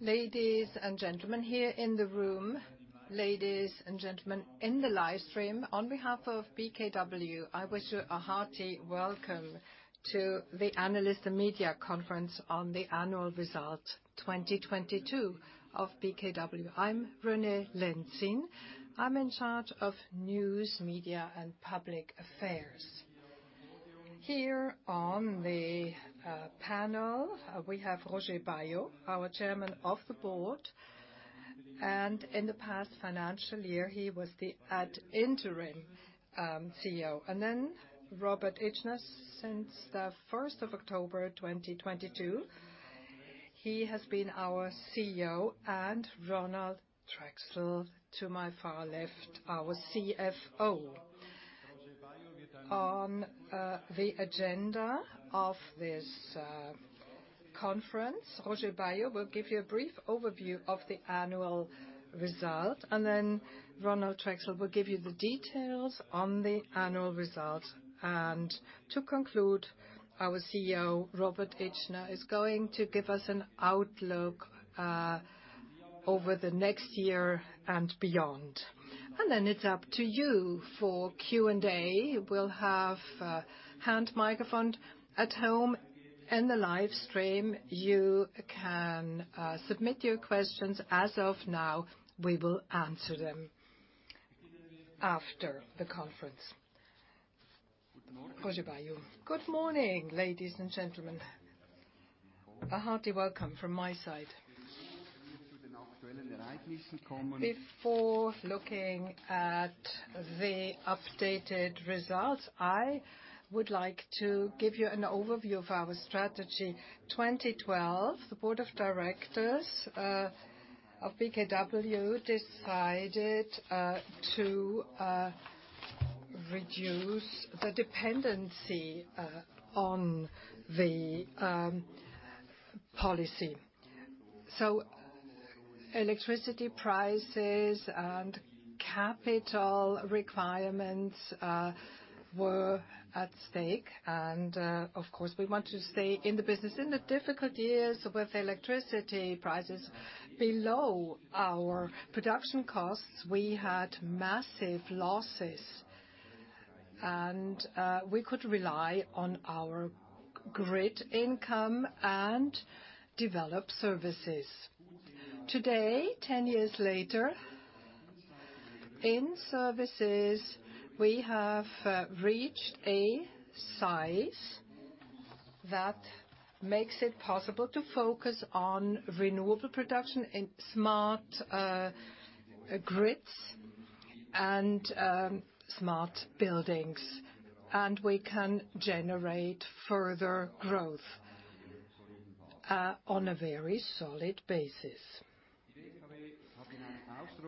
Ladies and gentlemen here in the room, ladies and gentlemen in the live stream, on behalf of BKW, I wish you a hearty welcome to the Analyst and Media Conference on the annual results 2022 of BKW. I'm René Lenzin. I'm in charge of news, media, and public affairs. Here on the panel, we have Roger de Weck, our Chairman of the Board, and in the past financial year, he was the ad interim CEO. Robert Itschner, since the 1st of October 2022, he has been our CEO, and Ronald Trächsel, to my far left, our CFO. On the agenda of this conference, Roger de Weck will give you a brief overview of the annual result, and then Ronald Trächsel will give you the details on the annual result. To conclude, our CEO, Robert Itschner, is going to give us an outlook over the next year and beyond. It's up to you for Q&A. We'll have a hand microphone. At home, in the live stream, you can submit your questions as of now. We will answer them after the conference. Roger de Weck. Good morning, ladies and gentlemen. A hearty welcome from my side. Before looking at the updated results, I would like to give you an overview of our strategy. 2012, the Board of Directors of BKW decided to reduce the dependency on the policy. Electricity prices and capital requirements were at stake. Of course, we want to stay in the business. In the difficult years with electricity prices below our production costs, we had massive losses, we could rely on our grid income and develop services. Today, 10 years later, in services, we have reached a size that makes it possible to focus on renewable production in smart grids and smart buildings. We can generate further growth on a very solid basis.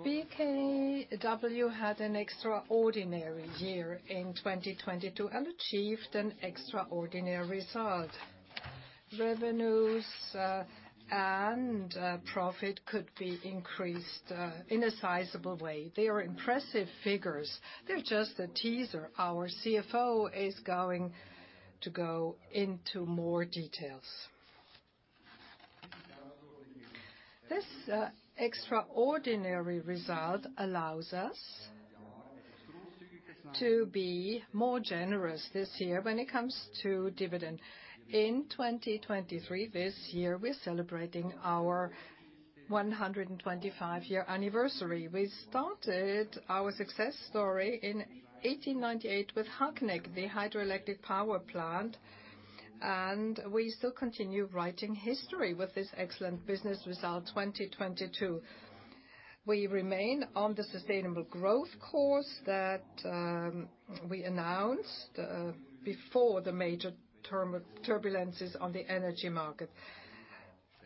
BKW had an extraordinary year in 2022 and achieved an extraordinary result. Revenues and profit could be increased in a sizable way. They are impressive figures. They're just a teaser. Our CFO is going to go into more details. This extraordinary result allows us to be more generous this year when it comes to dividend. In 2023, this year, we're celebrating our 125-year anniversary. We started our success story in 1898 with Hagneck, the hydroelectric power plant, we still continue writing history with this excellent business result, 2022. We remain on the sustainable growth course that we announced before the major turbulences on the energy market,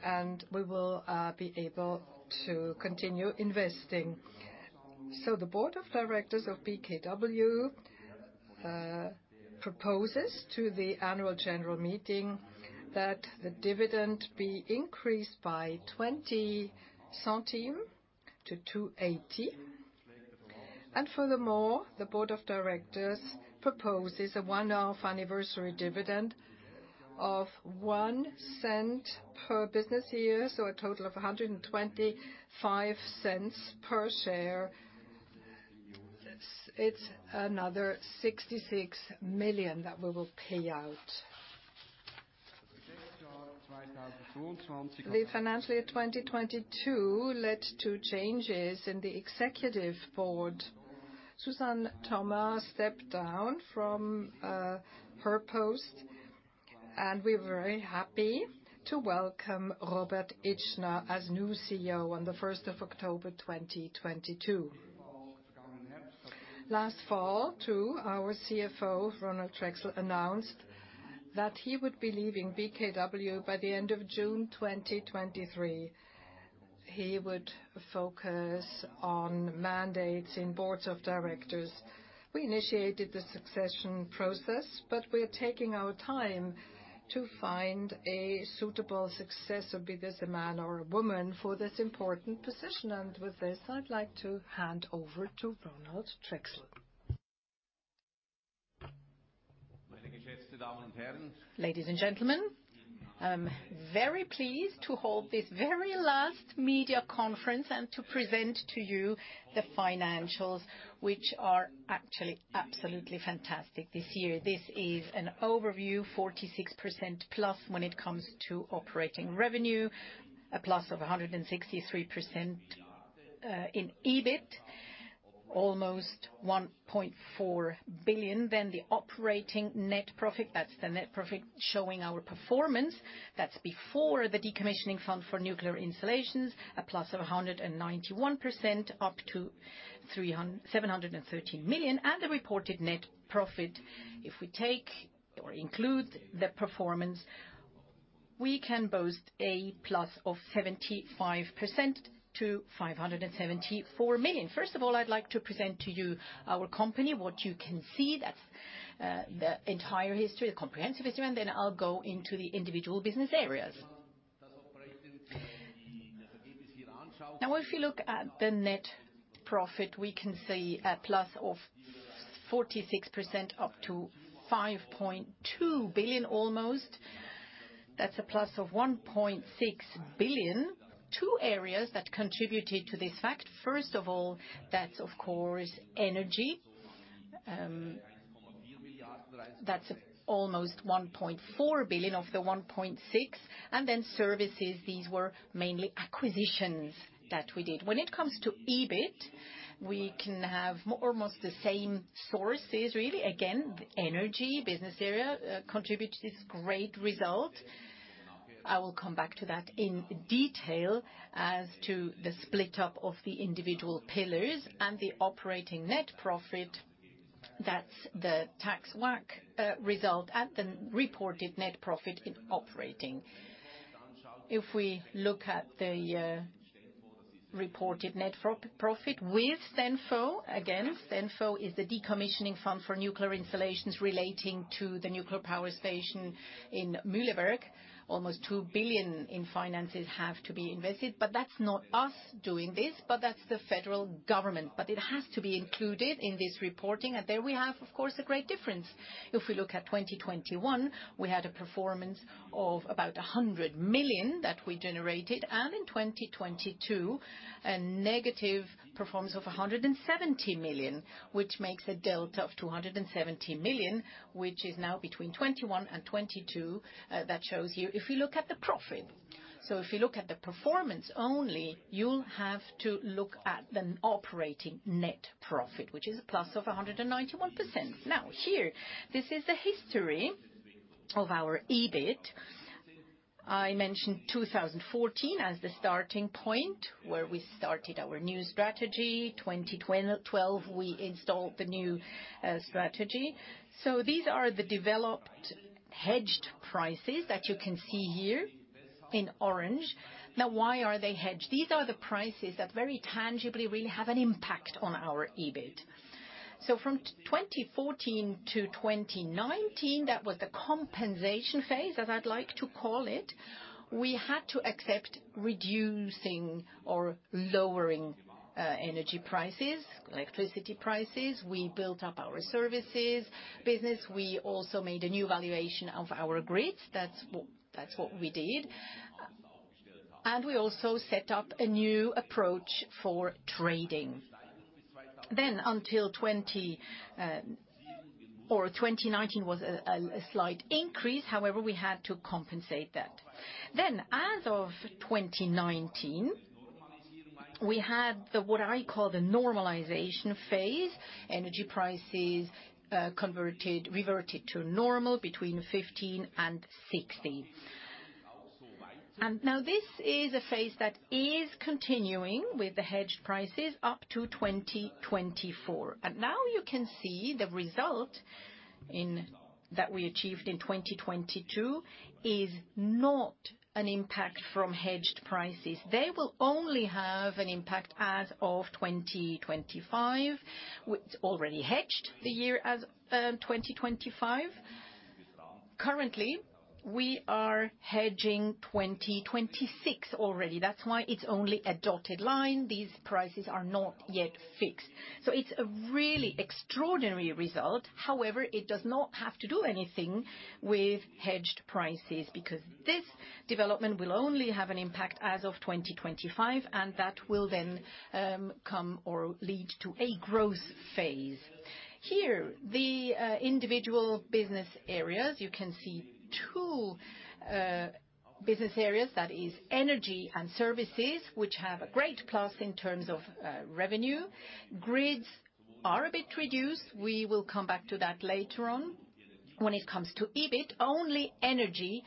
and we will be able to continue investing. The Board of Directors of BKW proposes to the annual general meeting that the dividend be increased by 20 centimes to 2.80. Furthermore, the Board of Directors proposes a one-off anniversary dividend of 1 cent per business year, a total of 125 cents per share. It's another 66 million that we will pay out. The financial year 2022 led to changes in the executive board. Suzanne Thoma stepped down from her post, and we're very happy to welcome Robert Itschner as new CEO on the 1st of October 2022. Last fall, too, our CFO, Ronald Trächsel, announced that he would be leaving BKW by the end of June 2023. He would focus on mandates in boards of directors. We initiated the succession process, but we're taking our time to find a suitable successor, be this a man or a woman, for this important position. With this, I'd like to hand over to Ronald Trächsel. Ladies and gentlemen, I'm very pleased to hold this very last media conference and to present to you the financials, which are actually absolutely fantastic this year. This is an overview, 46% plus when it comes to operating revenue. A plus of 163%, in EBIT, almost 1.4 billion. The operating net profit, that's the net profit showing our performance. That's before the decommissioning fund for nuclear installations. A plus of 191% up to 713 million. The reported net profit, if we take or include the performance, we can boast a plus of 75% to 574 million. First of all, I'd like to present to you our company. What you can see, that's the entire history, the comprehensive history. I'll go into the individual business areas. If you look at the net profit, we can see a plus of 46% up to 5.2 billion almost. That's a plus of 1.6 billion. Two areas that contributed to this fact. First of all, that's of course energy. That's almost 1.4 billion of the 1.6. Services, these were mainly acquisitions that we did. When it comes to EBIT, we can have almost the same sources really. Again, energy business area contribute to this great result. I will come back to that in detail as to the split up of the individual pillars and the operating net profit. That's the tax WACC result and the reported net profit in operating. If we look at the reported net profit with STENFO, again, STENFO is the decommissioning fund for nuclear installations relating to the nuclear power station in Mühleberg. Almost 2 billion in finances have to be invested, that's not us doing this, but that's the federal government. It has to be included in this reporting, there we have, of course, a great difference. If we look at 2021, we had a performance of about 100 million that we generated, and in 2022, a negative performance of 170 million. Which makes a delta of 270 million, which is now between 2021 and 2022, that shows you if you look at the profit. If you look at the performance only, you'll have to look at the operating net profit, which is a plus of 191%. Here, this is the history of our EBIT. I mentioned 2014 as the starting point where we started our new strategy. 2012 we installed the new strategy. These are the developed hedged prices that you can see here in orange. Why are they hedged? These are the prices that very tangibly really have an impact on our EBIT. From 2014 to 2019, that was the compensation phase, as I'd like to call it. We had to accept reducing or lowering energy prices, electricity prices. We built up our services business. We also made a new valuation of our grids. That's what we did. We also set up a new approach for trading. Until 20, or 2019, was a slight increase. However, we had to compensate that. As of 2019, we had the, what I call the normalization phase. Energy prices converted, reverted to normal between 15 and 16. Now this is a phase that is continuing with the hedged prices up to 2024. Now you can see the result in, that we achieved in 2022 is not an impact from hedged prices. They will only have an impact as of 2025. It's already hedged the year as 2025. Currently, we are hedging 2026 already. That's why it's only a dotted line. These prices are not yet fixed. It's a really extraordinary result. It does not have to do anything with hedged prices because this development will only have an impact as of 2025, and that will then come or lead to a growth phase. The individual business areas. You can see two business areas, that is energy and services, which have a great plus in terms of revenue. Grids are a bit reduced. We will come back to that later on. When it comes to EBIT, only energy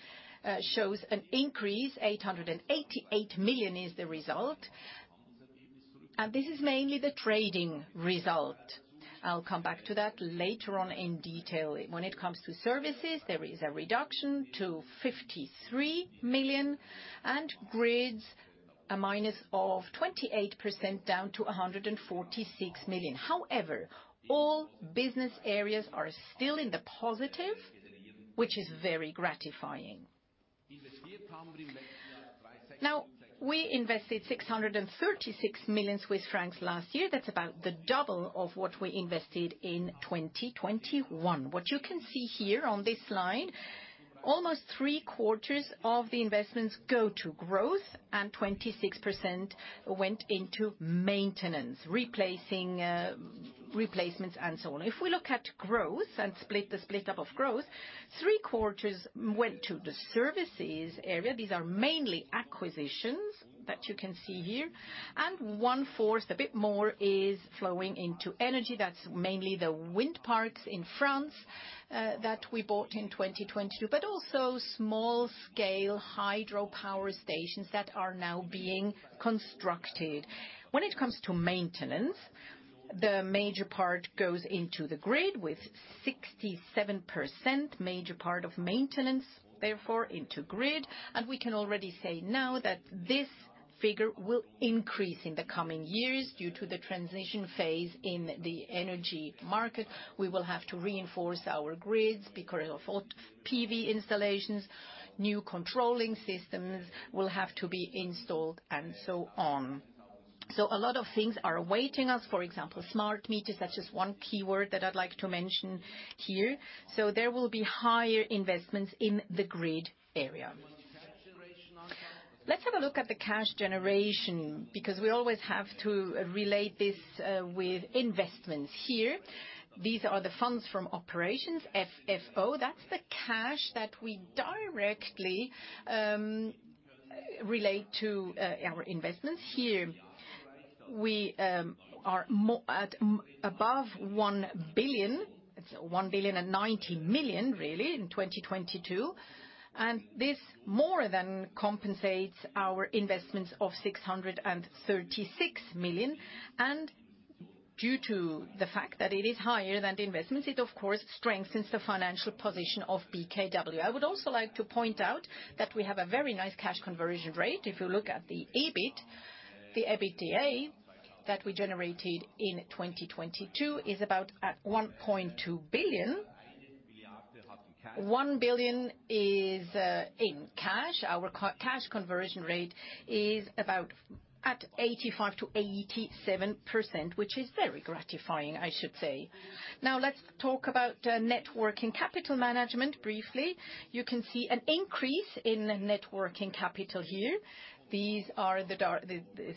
shows an increase. 888 million is the result. This is mainly the trading result. I'll come back to that later on in detail. When it comes to services, there is a reduction to 53 million, and grids a minus of 28% down to 146 million. All business areas are still in the positive, which is very gratifying. We invested 636 million Swiss francs last year. That's about the double of what we invested in 2021. What you can see here on this slide, almost three-quarters of the investments go to growth and 26% went into maintenance, replacing replacements and so on. If we look at growth and split up of growth, three-quarters went to the services area. These are mainly acquisitions that you can see here, and one-fourth, a bit more is flowing into energy. That's mainly the wind parks in France that we bought in 2022, but also small scale hydropower stations that are now being constructed. When it comes to maintenance, the major part goes into the grid with 67%, major part of maintenance, therefore into grid. We can already say now that this figure will increase in the coming years due to the transition phase in the energy market. We will have to reinforce our grids because of PV installations, new controlling systems will have to be installed, and so on. A lot of things are awaiting us, for example, smart meters. That's just one keyword that I'd like to mention here. There will be higher investments in the grid area. Let's have a look at the cash generation, because we always have to relate this with investments here. These are the funds from operations, FFO. That's the cash that we directly relate to our investments here. We are above 1 billion. It's 1,090 million really in 2022, and this more than compensates our investments of 636 million. Due to the fact that it is higher than the investments, it of course strengthens the financial position of BKW. I would also like to point out that we have a very nice cash conversion rate. If you look at the EBIT, the EBITDA that we generated in 2022 is about at 1.2 billion. 1 billion is in cash. Our cash conversion rate is about at 85%-87%, which is very gratifying, I should say. Let's talk about net working capital management briefly. You can see an increase in net working capital here. This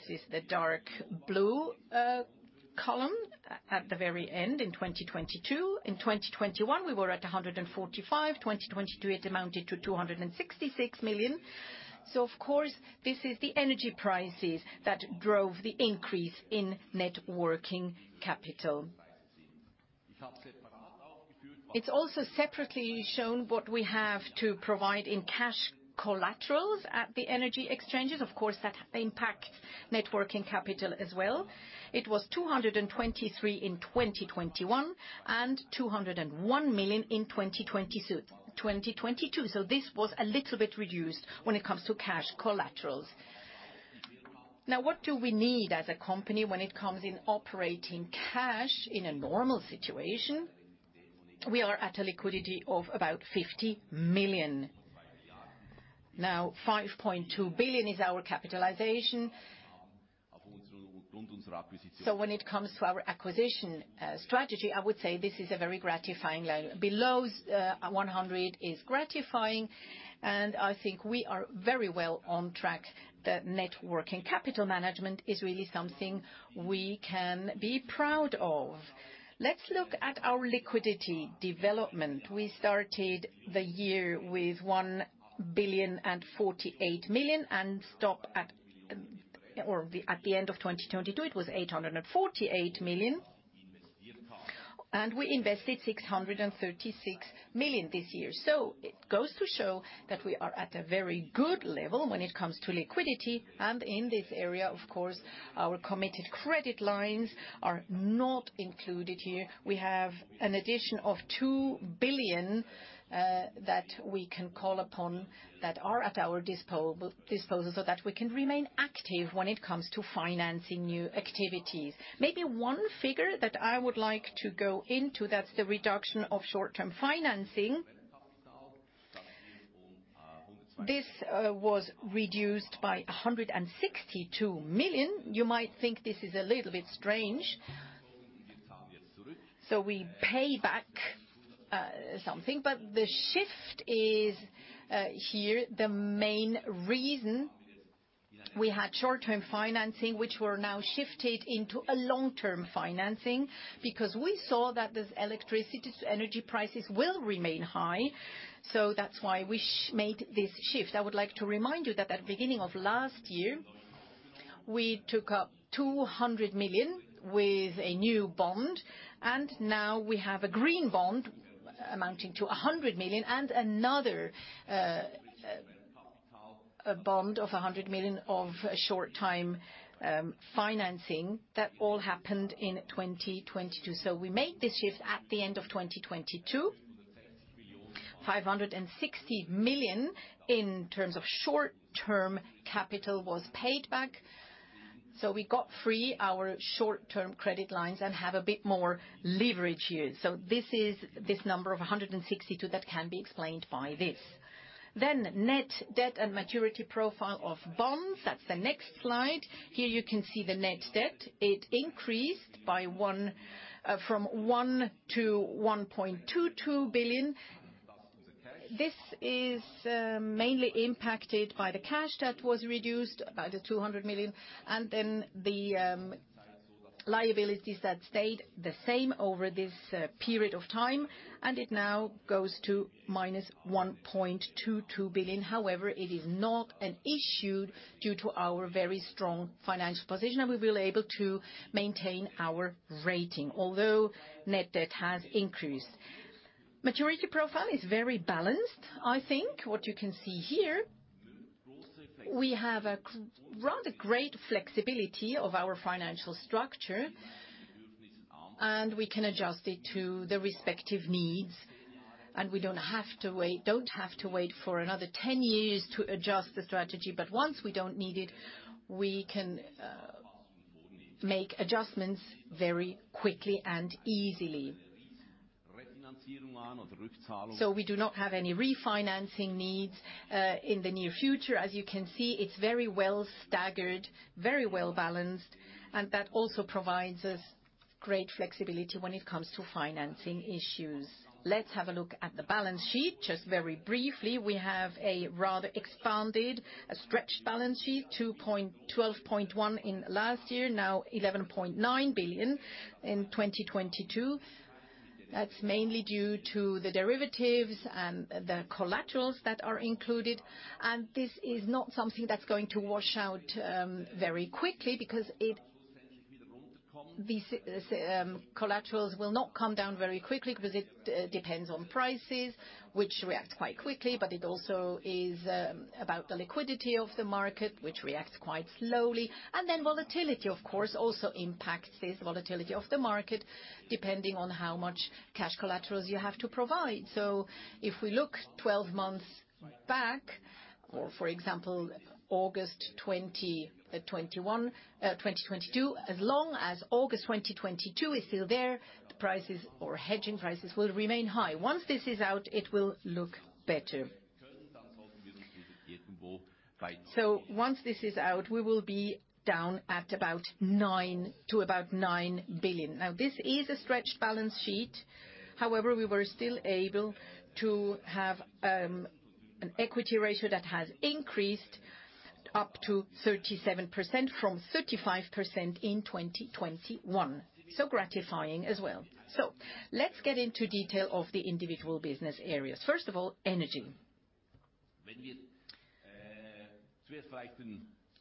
is the dark blue column at the very end in 2022. In 2021, we were at 145. 2022, it amounted to 266 million. Of course, this is the energy prices that drove the increase in Net Working Capital. It's also separately shown what we have to provide in cash collaterals at the energy exchanges. Of course, that impacts Net Working Capital as well. It was 223 in 2021 and 201 million in 2022. This was a little bit reduced when it comes to cash collaterals. What do we need as a company when it comes in operating cash in a normal situation? We are at a liquidity of about 50 million. 5.2 billion is our capitalization. When it comes to our acquisition strategy, I would say this is a very gratifying level. Below 100 is gratifying, and I think we are very well on track. The Net Working Capital management is really something we can be proud of. Let's look at our liquidity development. We started the year with 1,048 million, and stop at, or at the end of 2022, it was 848 million, and we invested 636 million this year. It goes to show that we are at a very good level when it comes to liquidity and in this area, of course, our committed credit lines are not included here. We have an addition of 2 billion that we can call upon that are at our disposal, so that we can remain active when it comes to financing new activities. Maybe one figure that I would like to go into, that's the reduction of short-term financing. This was reduced by 162 million. You might think this is a little bit strange. We pay back something, but the shift is here. The main reason we had short-term financing, which were now shifted into a long-term financing because we saw that the electricity to energy prices will remain high. That's why we made this shift. I would like to remind you that at the beginning of last year, we took up 200 million with a new bond, and now we have a Green Bond amounting to 100 million and another a bond of 100 million of short-time financing. That all happened in 2022. We made this shift at the end of 2022. 560 million in terms of short-term capital was paid back. We got free our short-term credit lines and have a bit more leverage here. This is this number of 162 that can be explained by this. Net debt and maturity profile of bonds. That's the next slide. Here you can see the net debt. It increased by 1 billion to 1.22 billion. This is mainly impacted by the cash that was reduced by 200 million, and then the liabilities that stayed the same over this period of time, and it now goes to -1.22 billion. However, it is not an issue due to our very strong financial position, and we will be able to maintain our rating, although net debt has increased. Maturity profile is very balanced, I think. What you can see here, we have a rather great flexibility of our financial structure. We can adjust it to the respective needs. We don't have to wait for another 10 years to adjust the strategy. Once we don't need it, we can make adjustments very quickly and easily. We do not have any refinancing needs in the near future. As you can see, it's very well staggered, very well balanced. That also provides us great flexibility when it comes to financing issues. Let's have a look at the balance sheet just very briefly. We have a rather expanded, a stretched balance sheet, 12.1 billion in last year, now 11.9 billion in 2022. That's mainly due to the derivatives and the collaterals that are included, this is not something that's going to wash out, very quickly because these collaterals will not come down very quickly because it depends on prices, which react quite quickly, but it also is about the liquidity of the market, which reacts quite slowly. Volatility, of course, also impacts this volatility of the market, depending on how much cash collaterals you have to provide. If we look 12 months back, or for example, August 2022, as long as August 2022 is still there, the prices or hedging prices will remain high. Once this is out, it will look better. Once this is out, we will be down at about 9 billion. This is a stretched balance sheet. However, we were still able to have an equity ratio that has increased up to 37% from 35% in 2021. Gratifying as well. Let's get into detail of the individual business areas. First of all, energy.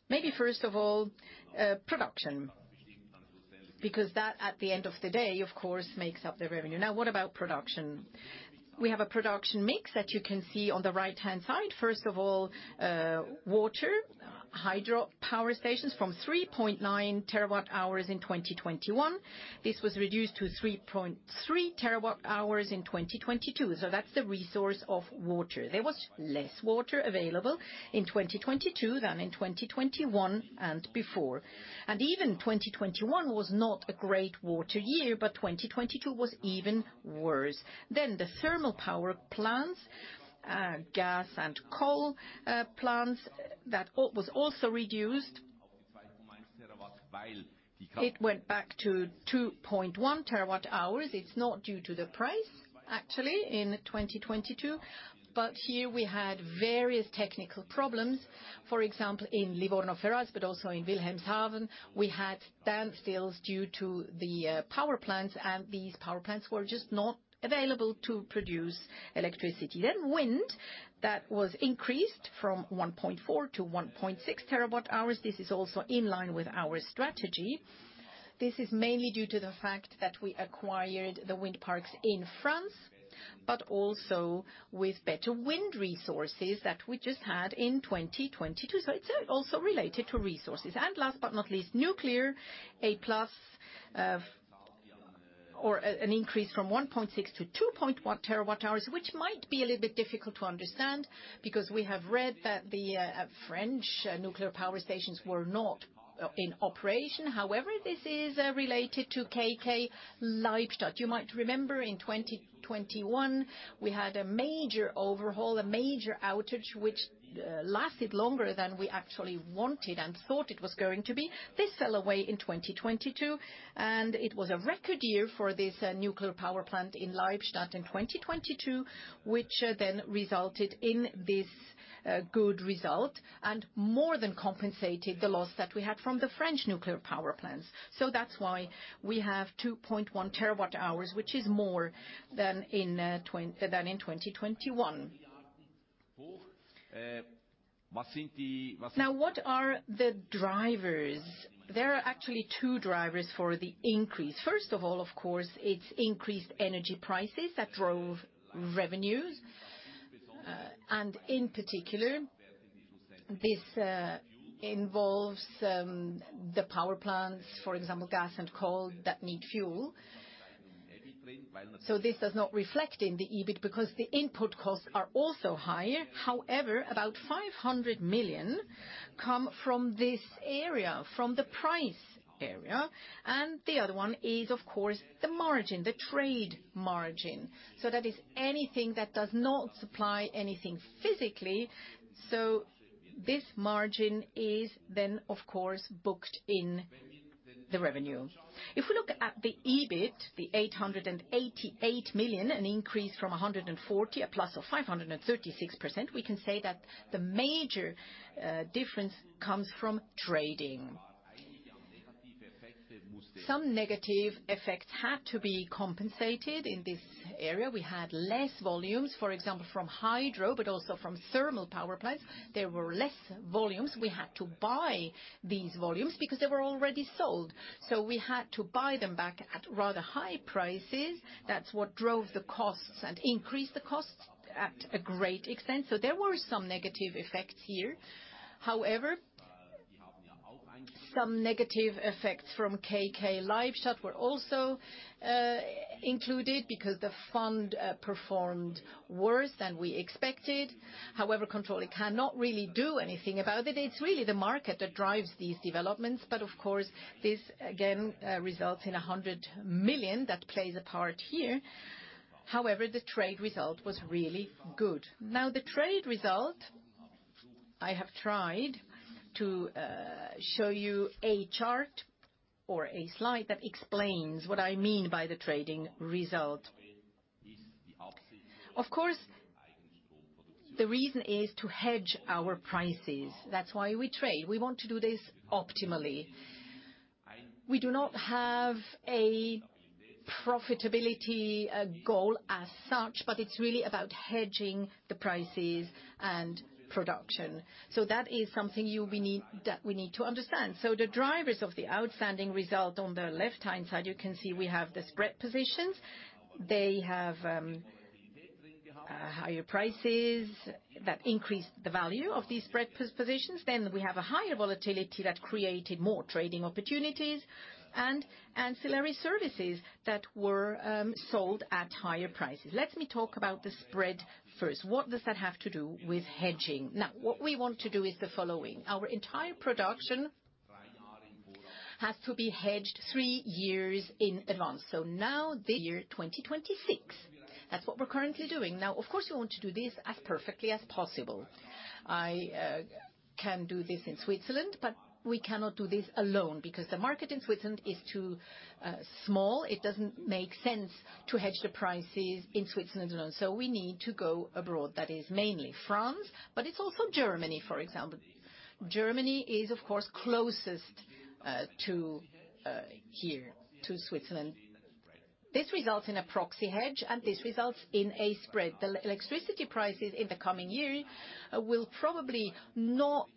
Maybe first of all, production, because that at the end of the day, of course, makes up the revenue. Now what about production? We have a production mix that you can see on the right-hand side. First of all, water, hydropower stations from 3.9 TWh in 2021. This was reduced to 3.3 TWh in 2022, so that's the resource of water. There was less water available in 2022 than in 2021 and before. Even 2021 was not a great water year, but 2022 was even worse. The thermal power plants, gas and coal plants, that was also reduced. It went back to 2.1 TWh. It's not due to the price, actually, in 2022, but here we had various technical problems. For example, in Livorno Ferraris, but also in Wilhelmshaven, we had down stills due to the power plants, and these power plants were just not available to produce electricity. Wind, that was increased from 1.4 TWh to 1.6 TWh. This is also in line with our strategy. This is mainly due to the fact that we acquired the wind farms in France, but also with better wind resources that we just had in 2022, so it's also related to resources. Last but not least, nuclear, a plus of, or an increase from 1.6 TWh to 2.1 TWh, which might be a little bit difficult to understand because we have read that the French nuclear power stations were not in operation. However, this is related to KK Leibstadt. You might remember in 2021, we had a major overhaul, a major outage, which lasted longer than we actually wanted and thought it was going to be. This fell away in 2022, and it was a record year for this nuclear power plant in Leibstadt in 2022, which then resulted in this good result and more than compensated the loss that we had from the French nuclear power plants. That's why we have 2.1 TWh, which is more than in than in 2021. What are the drivers? There are actually two drivers for the increase. First of all, of course, it's increased energy prices that drove revenues. And in particular, this involves the power plants, for example, gas and coal that need fuel. This does not reflect in the EBIT because the input costs are also higher. However, about 500 million come from this area, from the price area. The other one is of course, the margin, the trade margin. That is anything that does not supply anything physically. This margin is then, of course, booked in the revenue. If we look at the EBIT, the 888 million, an increase from 140, a plus of 536%, we can say that the major difference comes from trading. Some negative effects had to be compensated in this area. We had less volumes, for example from hydro, but also from thermal power plants. There were less volumes. We had to buy these volumes because they were already sold. We had to buy them back at rather high prices. That's what drove the costs and increased the costs at a great extent. There were some negative effects here. Some negative effects from KK Leibstadt were also included because the fund performed worse than we expected. Controlling cannot really do anything about it. It's really the market that drives these developments. Of course, this again results in 100 million that plays a part here. The trade result was really good. The trade result, I have tried to show you a chart or a slide that explains what I mean by the trading result. Of course, the reason is to hedge our prices. That's why we trade. We want to do this optimally. We do not have a profitability goal as such, but it's really about hedging the prices and production. That is something we need to understand. The drivers of the outstanding result on the left-hand side, you can see we have the spread positions. They have higher prices that increase the value of these spread positions. We have a higher volatility that created more trading opportunities and ancillary services that were sold at higher prices. Let me talk about the spread first. What does that have to do with hedging? What we want to do is the following. Our entire production has to be hedged three years in advance. Now the year 2026. That's what we're currently doing. Of course, we want to do this as perfectly as possible. I can do this in Switzerland, but we cannot do this alone because the market in Switzerland is too small. It doesn't make sense to hedge the prices in Switzerland alone. We need to go abroad. That is mainly France, but it's also Germany, for example. Germany is, of course, closest to here, to Switzerland. This results in a proxy hedge, and this results in a spread. The electricity prices in the coming year will probably not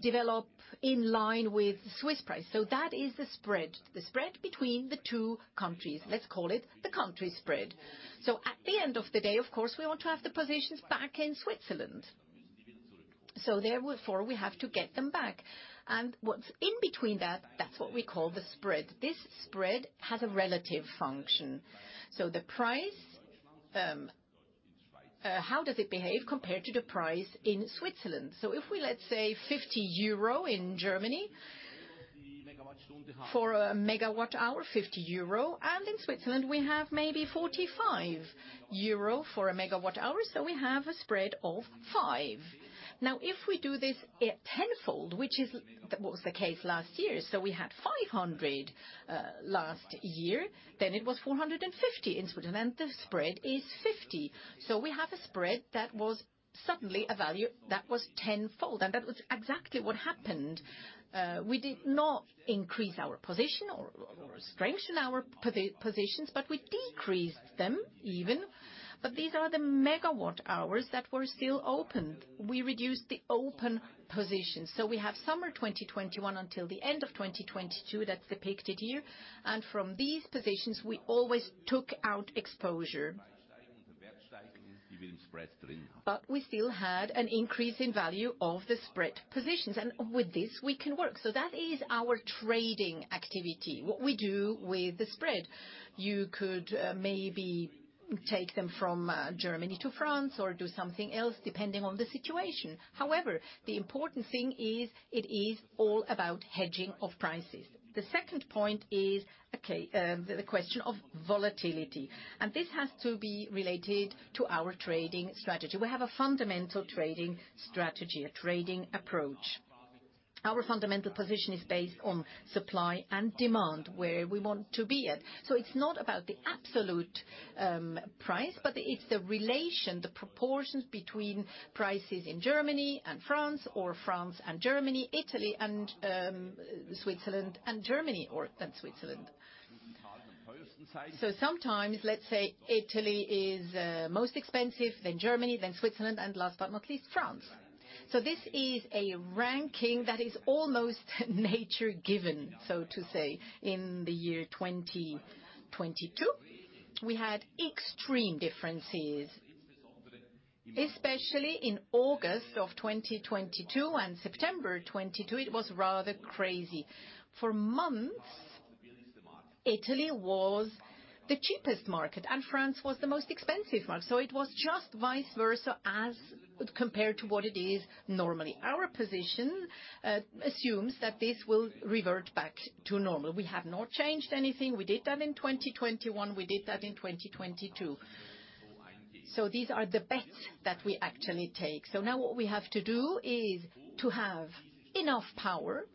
develop in line with Swiss price. That is the spread. The spread between the two countries. Let's call it the country spread. At the end of the day, of course, we want to have the positions back in Switzerland. Therefore, we have to get them back. What's in between that's what we call the spread. This spread has a relative function. The price, how does it behave compared to the price in Switzerland? If we, let's say 50 euro in Germany for a MWh, 50 euro, and in Switzerland, we have maybe 45 euro for a MWh, we have a spread of 5. Now, if we do this at 10-fold, which is what was the case last year. We had 500 last year, then it was 450 in Switzerland. The spread is 50. We have a spread that was suddenly a value that was 10-fold. That was exactly what happened. We did not increase our position or strengthen our positions, but we decreased them even. These are the MWh that were still open. We reduced the open positions. We have summer 2021 until the end of 2022. That's depicted here. From these positions, we always took out exposure. We still had an increase in value of the spread positions, and with this we can work. That is our trading activity. What we do with the spread. You could maybe take them from Germany to France or do something else, depending on the situation. The important thing is, it is all about hedging of prices. The second point is, the question of volatility, and this has to be related to our trading strategy. We have a fundamental trading strategy, a trading approach. Our fundamental position is based on supply and demand, where we want to be at. It's not about the absolute price, but it's the relation, the proportions between prices in Germany and France, or France and Germany, Italy and Switzerland and Germany, or and Switzerland. Sometimes, let's say Italy is most expensive, then Germany, then Switzerland, and last but not least, France. This is a ranking that is almost nature-given, so to say, in the year 2022. We had extreme differences. Especially in August of 2022 and September 2022, it was rather crazy. For months, Italy was the cheapest market, and France was the most expensive market. It was just vice versa as compared to what it is normally. Our position assumes that this will revert back to normal. We have not changed anything. We did that in 2021, we did that in 2022. These are the bets that we actually take. Now what we have to do is to have enough power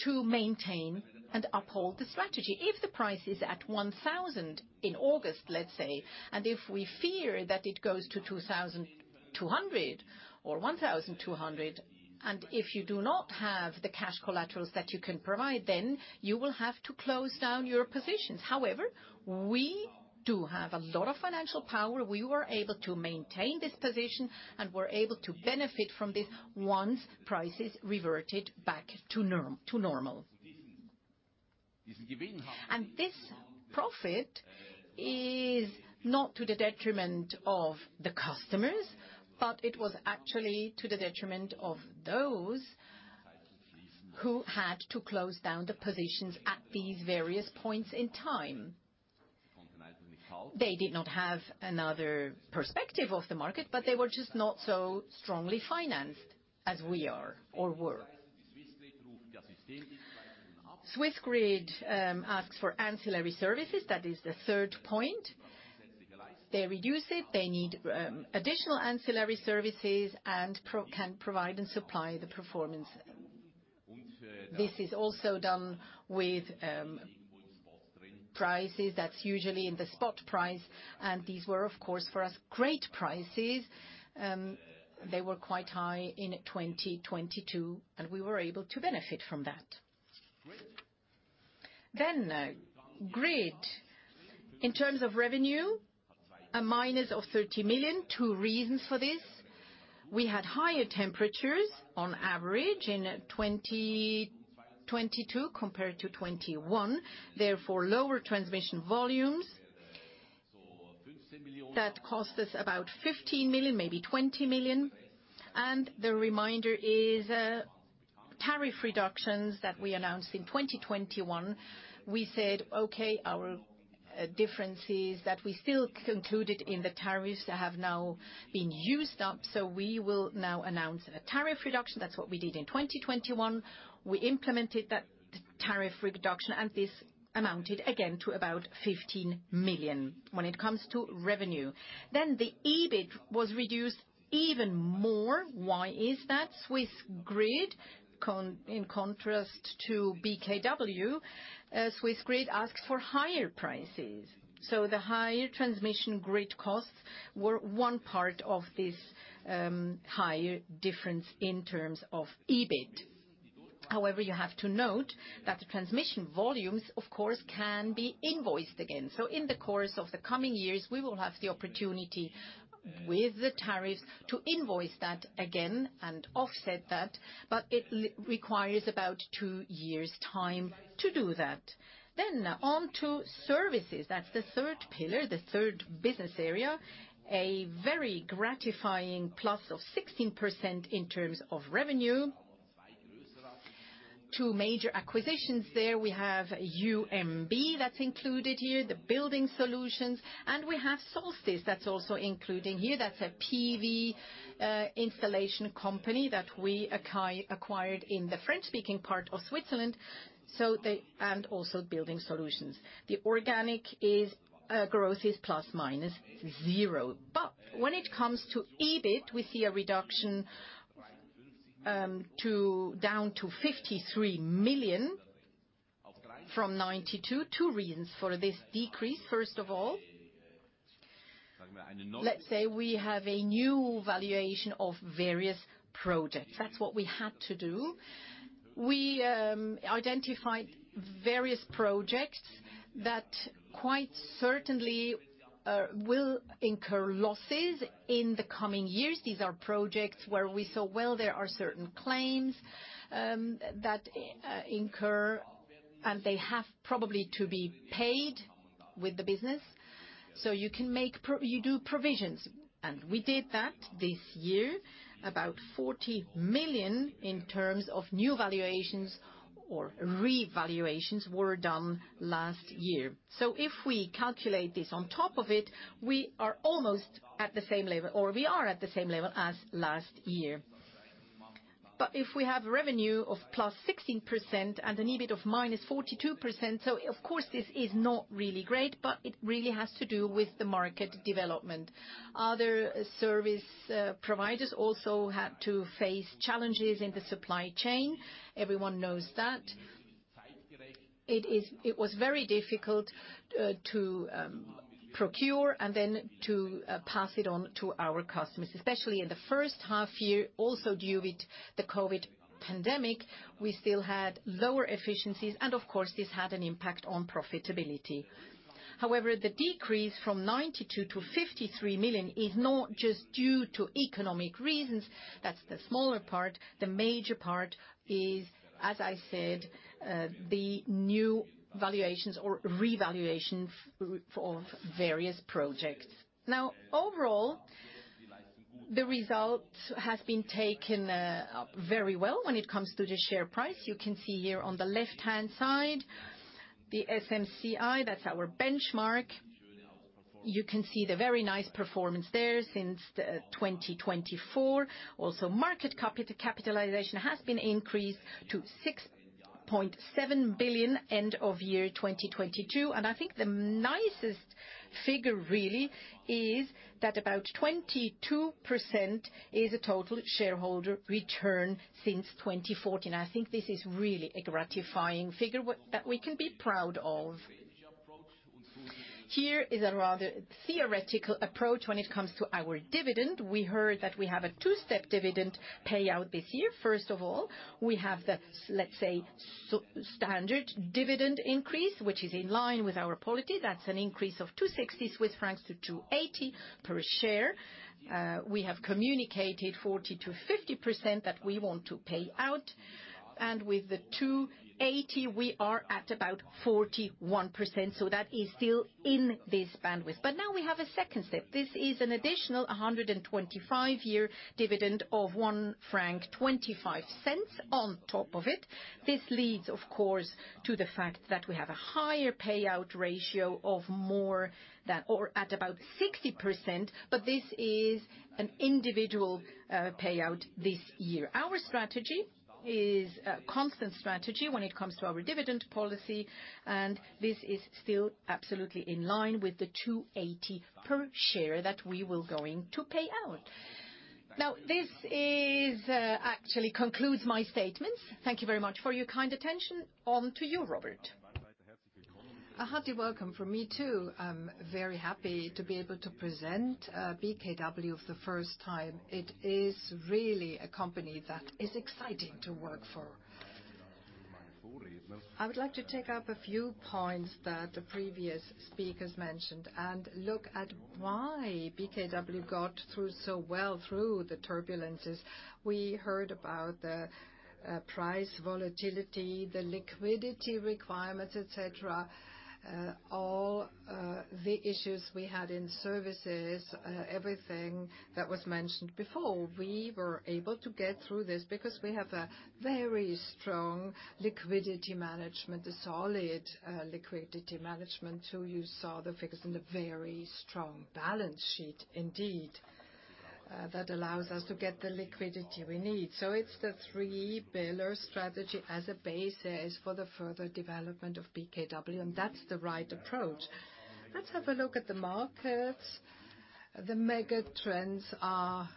to maintain and uphold the strategy. If the price is at 1,000 in August, let's say, and if we fear that it goes to 2,200 or 1,200, and if you do not have the cash collaterals that you can provide, then you will have to close down your positions. However, we do have a lot of financial power. We were able to maintain this position and were able to benefit from this once prices reverted back to normal. This profit is not to the detriment of the customers, but it was actually to the detriment of those who had to close down the positions at these various points in time. They did not have another perspective of the market, but they were just not so strongly financed as we are or were. Swissgrid asks for ancillary services. That is the third point. They reduce it. They need additional ancillary services and can provide and supply the performance. This is also done with prices that's usually in the spot price, and these were, of course, for us, great prices. They were quite high in 2022, and we were able to benefit from that. Grid. In terms of revenue, a minus of 30 million. Two reasons for this. We had higher temperatures on average in 2022 compared to 2021, therefore lower transmission volumes. That cost us about 15 million, maybe 20 million, and the reminder is tariff reductions that we announced in 2021. We said, "Okay, our difference is that we still concluded in the tariffs that have now been used up, so we will now announce a tariff reduction." That's what we did in 2021. We implemented that tariff reduction, and this amounted again to about 15 million when it comes to revenue. The EBIT was reduced even more. Why is that? Swissgrid, in contrast to BKW, Swissgrid asks for higher prices. The higher transmission grid costs were one part of this higher difference in terms of EBIT. However, you have to note that the transmission volumes, of course, can be invoiced again. In the course of the coming years, we will have the opportunity with the tariffs to invoice that again and offset that, but it requires about two years' time to do that. On to services. That's the third pillar, the third business area. A very gratifying plus of 16% in terms of revenue. 2 major acquisitions there. We have UMB that's included here, the building solutions, and we have Solstis that's also including here. That's a PV installation company that we acquired in the French-speaking part of Switzerland, so they... Also building solutions. The organic growth is ±0. When it comes to EBIT, we see a reduction down to 53 million from 92. 2 reasons for this decrease. First of all, let's say we have a new valuation of various projects. That's what we had to do. We identified various projects that quite certainly will incur losses in the coming years. These are projects where we saw, well, there are certain claims that incur, and they have probably to be paid with the business. You can make you do provisions, and we did that this year. About 40 million in terms of new valuations or revaluations were done last year. If we calculate this on top of it, we are almost at the same level, or we are at the same level as last year. If we have revenue of +16% and an EBIT of -42%, of course this is not really great, but it really has to do with the market development. Other service providers also had to face challenges in the supply chain. Everyone knows that. It was very difficult to procure and then to pass it on to our customers. Especially in the first half year, also due to the COVID pandemic, we still had lower efficiencies, and of course, this had an impact on profitability. However, the decrease from 92 million-53 million is not just due to economic reasons. That's the smaller part. The major part is, as I said, the new valuations or revaluations of various projects. Now, overall. The result has been taken very well when it comes to the share price. You can see here on the left-hand side the SMCI, that's our benchmark. You can see the very nice performance there since the 2024. Also, market capitalization has been increased to 6.7 billion end of year 2022. I think the nicest figure really is that about 22% is a total shareholder return since 2014. I think this is really a gratifying figure that we can be proud of. Here is a rather theoretical approach when it comes to our dividend. We heard that we have a two-step dividend payout this year. First of all, we have let's say, so-standard dividend increase, which is in line with our policy. That's an increase of 2.60-2.80 Swiss francs per share. We have communicated 40%-50% that we want to pay out, and with the 2.80, we are at about 41%, so that is still in this bandwidth. Now we have a second step. This is an additional 125-year dividend of 1.25 franc on top of it. This leads, of course, to the fact that we have a higher payout ratio at about 60%, but this is an individual payout this year. Our strategy is a constant strategy when it comes to our dividend policy, and this is still absolutely in line with the 2.80 per share that we were going to pay out. Now this actually concludes my statements. Thank you very much for your kind attention. On to you, Robert. A hearty welcome from me too. I'm very happy to be able to present BKW for the first time. It is really a company that is exciting to work for. I would like to take up a few points that the previous speakers mentioned and look at why BKW got through so well through the turbulences. We heard about the price volatility, the liquidity requirements, et cetera, all the issues we had in services, everything that was mentioned before. We were able to get through this because we have a very strong liquidity management, a solid liquidity management, so you saw the figures and the very strong balance sheet indeed, that allows us to get the liquidity we need. It's the three-pillar strategy as a basis for the further development of BKW, and that's the right approach. Let's have a look at the markets. The mega trends are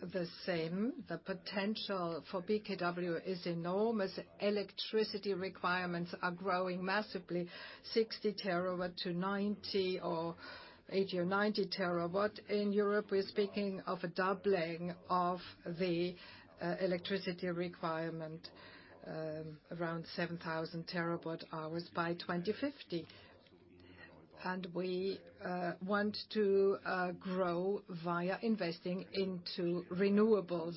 the same. The potential for BKW is enormous. Electricity requirements are growing massively, 60 TW to 90 or 80 or 90 TW. In Europe, we're speaking of a doubling of the electricity requirement, around 7,000 TWh by 2050. We want to grow via investing into renewables.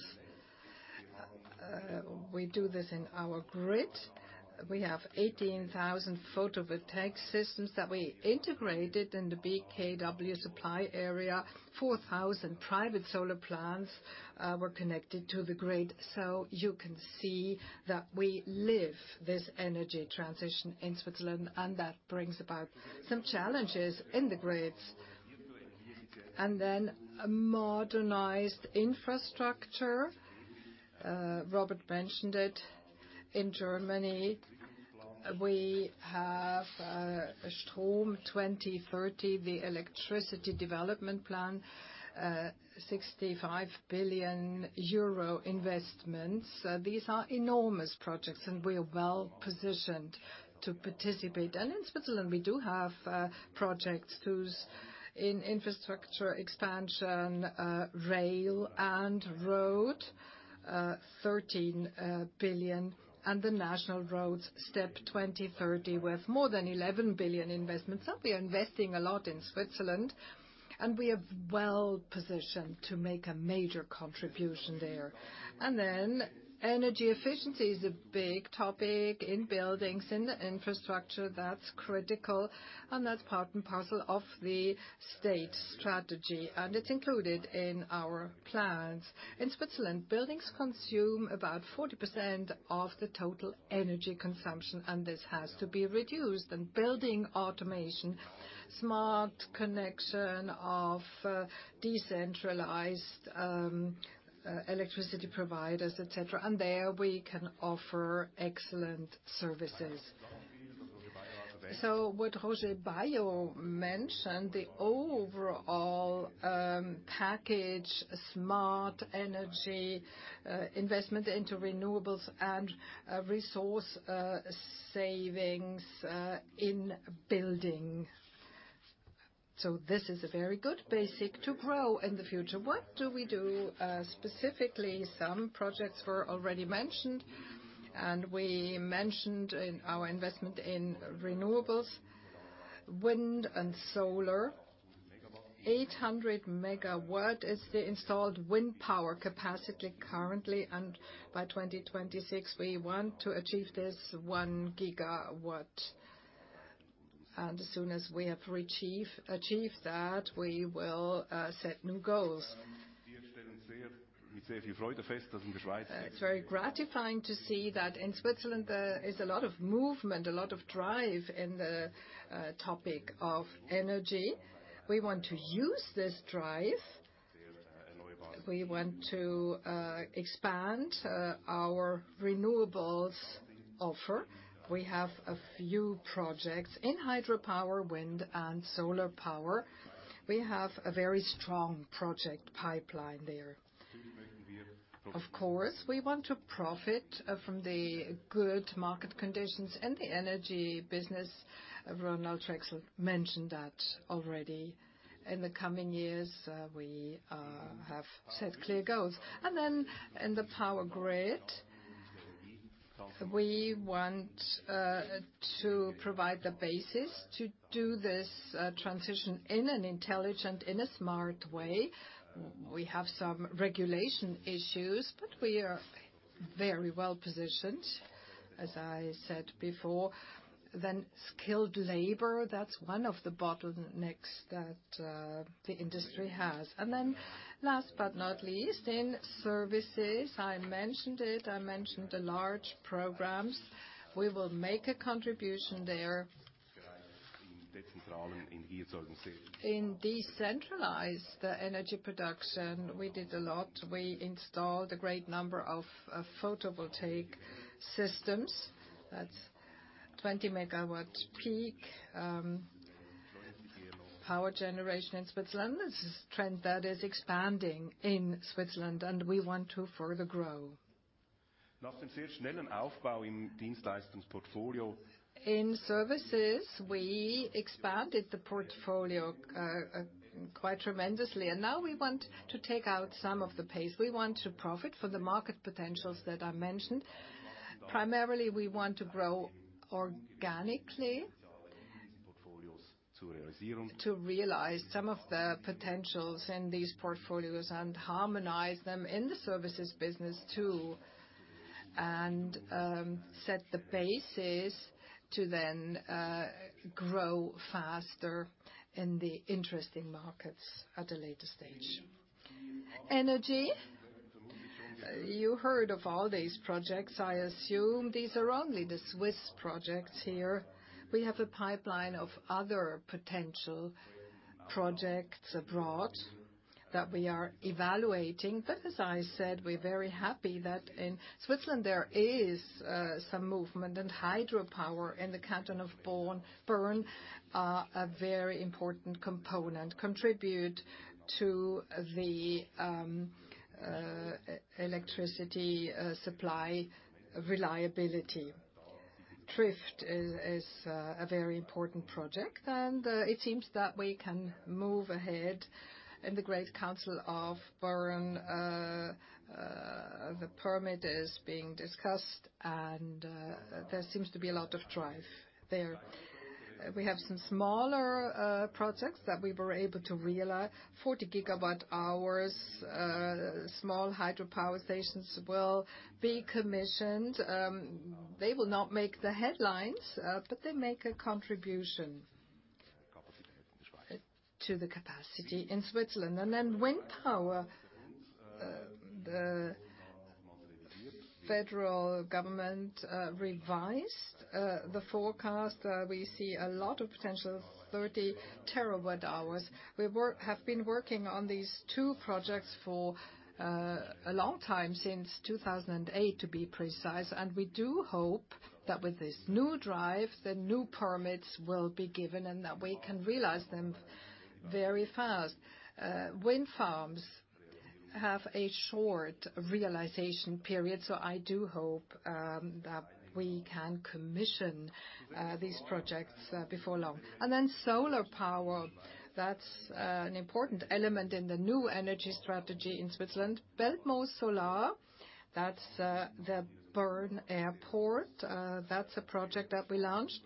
We do this in our grid. We have 18,000 photovoltaic systems that we integrated in the BKW supply area. 4,000 private solar plants were connected to the grid. You can see that we live this energy transition in Switzerland, and that brings about some challenges in the grids. A modernized infrastructure, Robert mentioned it, in Germany, we have Strom 2030, the electricity development plan, 65 billion euro investments. These are enormous projects, we're well-positioned to participate. In Switzerland, we do have projects whose in infrastructure expansion, rail and road, 13 billion, and the national roads, STEP 2030, with more than 11 billion investments. We are investing a lot in Switzerland, and we are well-positioned to make a major contribution there. Energy efficiency is a big topic in buildings, in the infrastructure. That's critical, and that's part and parcel of the state strategy, and it's included in our plans. In Switzerland, buildings consume about 40% of the total energy consumption, and this has to be reduced. Building automation, smart connection of decentralized electricity providers, et cetera, and there we can offer excellent services. What Roger Baillod mentioned, the overall package, smart energy, investment into renewables and resource savings in building. This is a very good basic to grow in the future. What do we do specifically? Some projects were already mentioned, and we mentioned in our investment in renewables, wind and solar. 800 MW is the installed wind power capacity currently, and by 2026, we want to achieve this 1 gigawatt. As soon as we have achieved that, we will set new goals. It's very gratifying to see that in Switzerland there is a lot of movement, a lot of drive in the topic of energy. We want to use this drive. We want to expand our renewables offer. We have a few projects in hydropower, wind, and solar power. We have a very strong project pipeline there. Of course, we want to profit from the good market conditions and the energy business. Ronald Trächsel mentioned that already. In the coming years, we have set clear goals. In the power grid, we want to provide the basis to do this transition in an intelligent, in a smart way. We have some regulation issues, but we are very well positioned, as I said before. Skilled labor, that's one of the bottlenecks that the industry has. Last but not least, in services, I mentioned it, I mentioned the large programs. We will make a contribution there. In decentralized energy production, we did a lot. We installed a great number of photovoltaic systems. That's 20 MWh peak power generation in Switzerland. This is a trend that is expanding in Switzerland, and we want to further grow. In services, we expanded the portfolio quite tremendously. Now we want to take out some of the pace. We want to profit for the market potentials that I mentioned. Primarily, we want to grow organically to realize some of the potentials in these portfolios and harmonize them in the services business too, set the basis to then grow faster in the interesting markets at a later stage. Energy, you heard of all these projects, I assume. These are only the Swiss projects here. We have a pipeline of other potential projects abroad that we are evaluating. As I said, we're very happy that in Switzerland there is some movement. Hydropower in the Canton of Bern are a very important component, contribute to the electricity supply reliability. Trift is a very important project, and it seems that we can move ahead. In the Great Council of Bern, the permit is being discussed, and there seems to be a lot of drive there. We have some smaller projects that we were able to realize. 40 gigawatt-hours, small hydropower stations will be commissioned. They will not make the headlines, but they make a contribution to the capacity in Switzerland. Then wind power. The federal government revised the forecast. We see a lot of potential, 30 TWh. We have been working on these two projects for a long time, since 2008, to be precise. We do hope that with this new drive, the new permits will be given and that we can realize them very fast. Wind farms have a short realization period. I do hope that we can commission these projects before long. Solar power, that's an important element in the new energy strategy in Switzerland. BelpmoosSolar, that's the Bern airport. That's a project that we launched.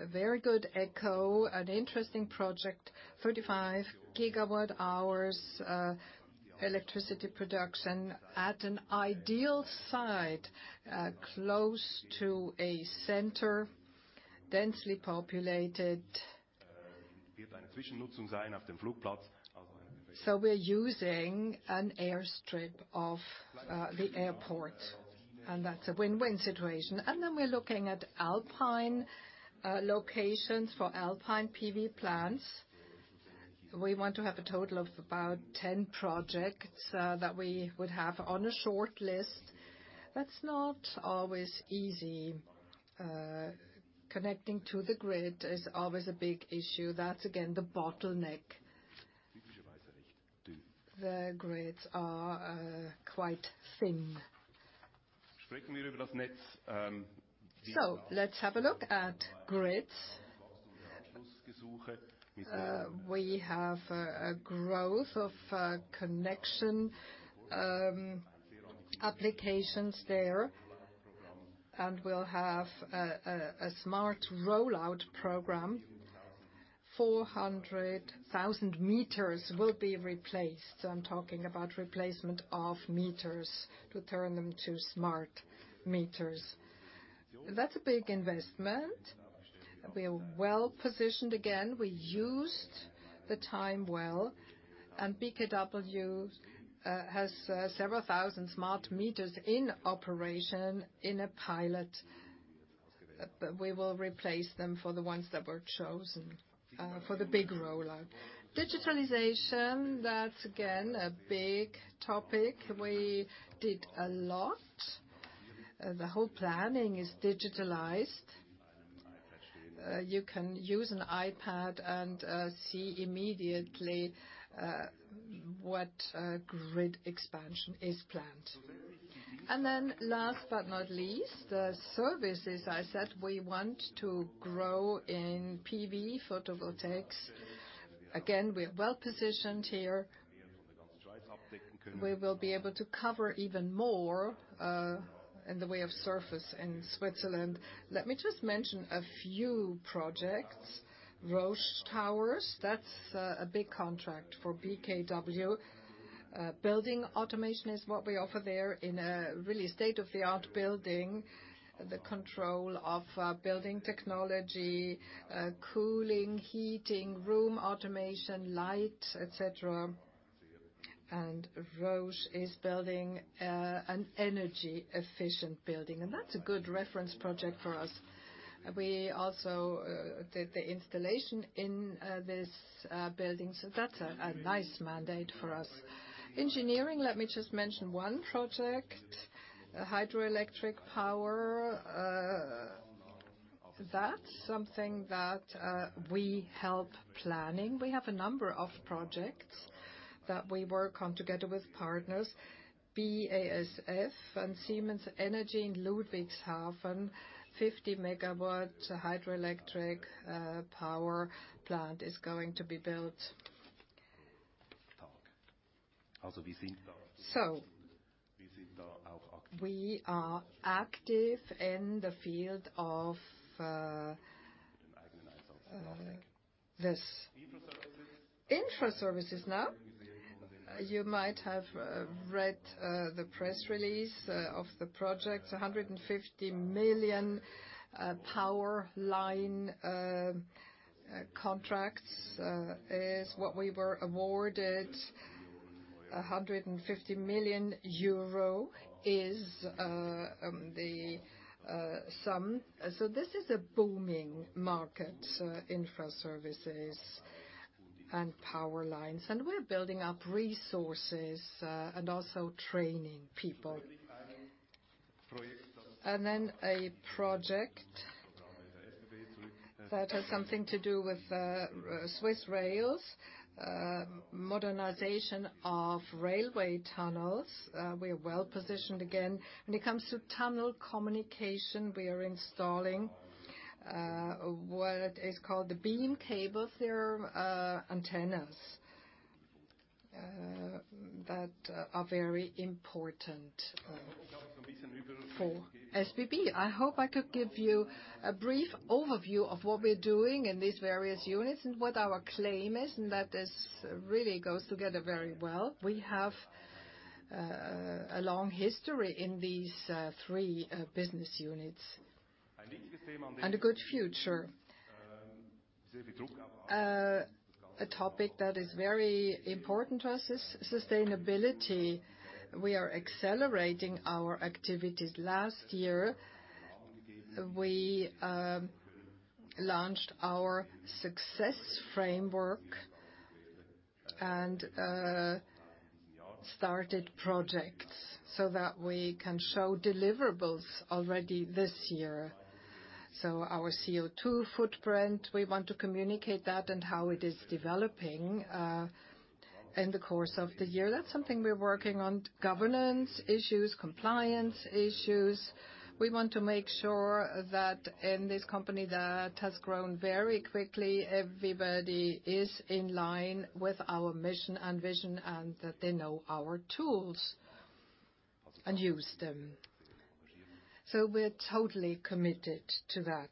A very good echo, an interesting project, 35 gigawatt-hours electricity production at an ideal site close to a center, densely populated. We're using an airstrip of the airport, and that's a win-win situation. We're looking at alpine locations for alpine PV plants. We want to have a total of about 10 projects that we would have on a short list. That's not always easy. Connecting to the grid is always a big issue. That's again the bottleneck. The grids are quite thin. Let's have a look at grids. We have a growth of connection applications there. We'll have a smart rollout program. 400,000 meters will be replaced. I'm talking about replacement of meters to turn them to smart meters. That's a big investment. We are well-positioned again. We used the time well. BKW has several thousand smart meters in operation in a pilot. We will replace them for the ones that were chosen for the big rollout. Digitalization, that's again, a big topic. We did a lot. The whole planning is digitalized. You can use an iPad and see immediately what grid expansion is planned. Last but not least, the services. I said we want to grow in PV, photovoltaics. Again, we're well-positioned here. We will be able to cover even more in the way of surface in Switzerland. Let me just mention a few projects. Roche Towers, that's a big contract for BKW. Building automation is what we offer there in a really state-of-the-art building. The control of building technology, cooling, heating, room automation, light, et cetera. Roche is building an energy efficient building, and that's a good reference project for us. We also did the installation in this building, so that's a nice mandate for us. Engineering, let me just mention one project. A hydroelectric power, that's something that we help planning. We have a number of projects that we work on together with partners. BASF and Siemens Energy in Ludwigshafen, 50 MWh hydroelectric power plant is going to be built. We are active in the field of this. InfraServices no. You might have read the press release of the project. 150 million power line contracts is what we were awarded. EUR 150 million is the sum. This is a booming market, InfraServices and power lines, and we're building up resources and also training people. A project that has something to do with Swiss rails, modernization of railway tunnels. We are well-positioned again. When it comes to tunnel communication, we are installing what is called the beam cable system, antennas that are very important for SBB. I hope I could give you a brief overview of what we're doing in these various units and what our claim is. That this really goes together very well. We have a long history in these three business units and a good future. A topic that is very important to us is sustainability. We are accelerating our activities. Last year, we launched our success framework and started projects so that we can show deliverables already this year. Our CO2 footprint, we want to communicate that and how it is developing in the course of the year. That's something we're working on. Governance issues, compliance issues. We want to make sure that in this company that has grown very quickly, everybody is in line with our mission and vision and that they know our tools and use them. We're totally committed to that.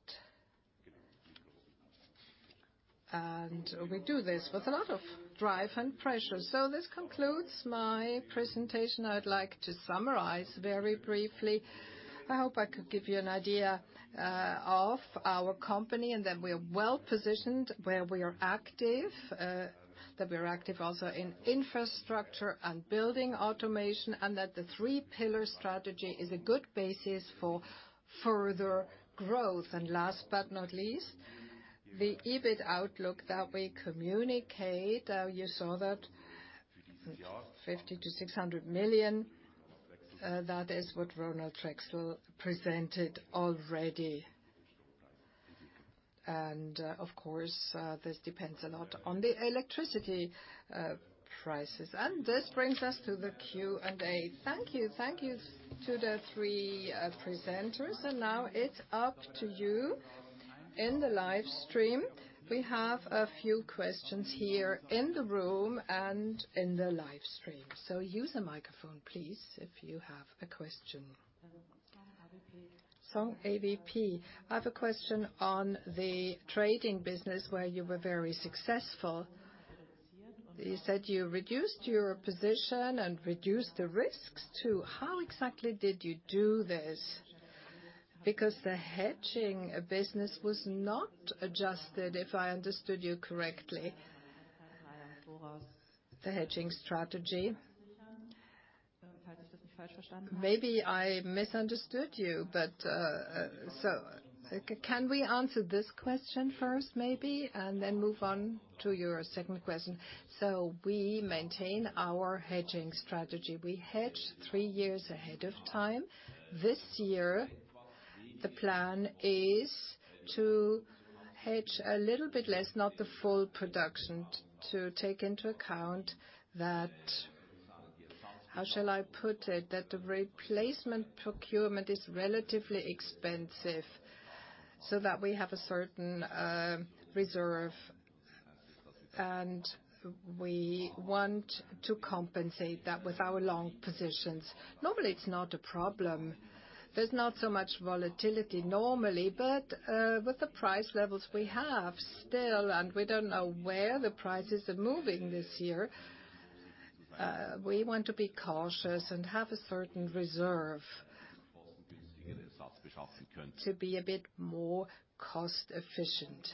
We do this with a lot of drive and pressure. This concludes my presentation. I'd like to summarize very briefly. I hope I could give you an idea of our company and that we are well-positioned where we are active. That we are active also in infrastructure and building automation, and that the 3 pillar strategy is a good basis for further growth. Last but not least, the EBIT outlook that we communicate, you saw that 50 million-600 million. That is what Ronald Trächsel presented already. Of course, this depends a lot on the electricity prices. This brings us to the Q&A. Thank you. Thank you to the three presenters. Now it's up to you in the live stream. We have a few questions here in the room and in the live stream. Use a microphone, please, if you have a question. Sonja AVP. I have a question on the trading business where you were very successful. You said you reduced your position and reduced the risks too. How exactly did you do this? Because the hedging business was not adjusted, if I understood you correctly. The hedging strategy. Maybe I misunderstood you, but can we answer this question first, maybe, and then move on to your second question? We maintain our hedging strategy. We hedge three years ahead of time. This year, the plan is to hedge a little bit less, not the full production, to take into account that, how shall I put it? That the replacement procurement is relatively expensive, so that we have a certain reserve, and we want to compensate that with our long positions. Normally, it's not a problem. There's not so much volatility normally, but with the price levels we have still, and we don't know where the prices are moving this year, we want to be cautious and have a certain reserve to be a bit more cost efficient.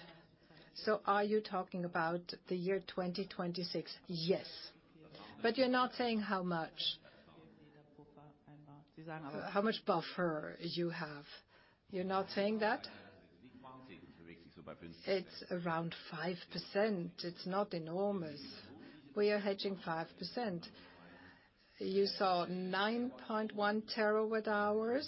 Are you talking about the year 2026? Yes. You're not saying how much? How much buffer you have? You're not saying that? It's around 5%. It's not enormous. We are hedging 5%. You saw 9.1 TWh.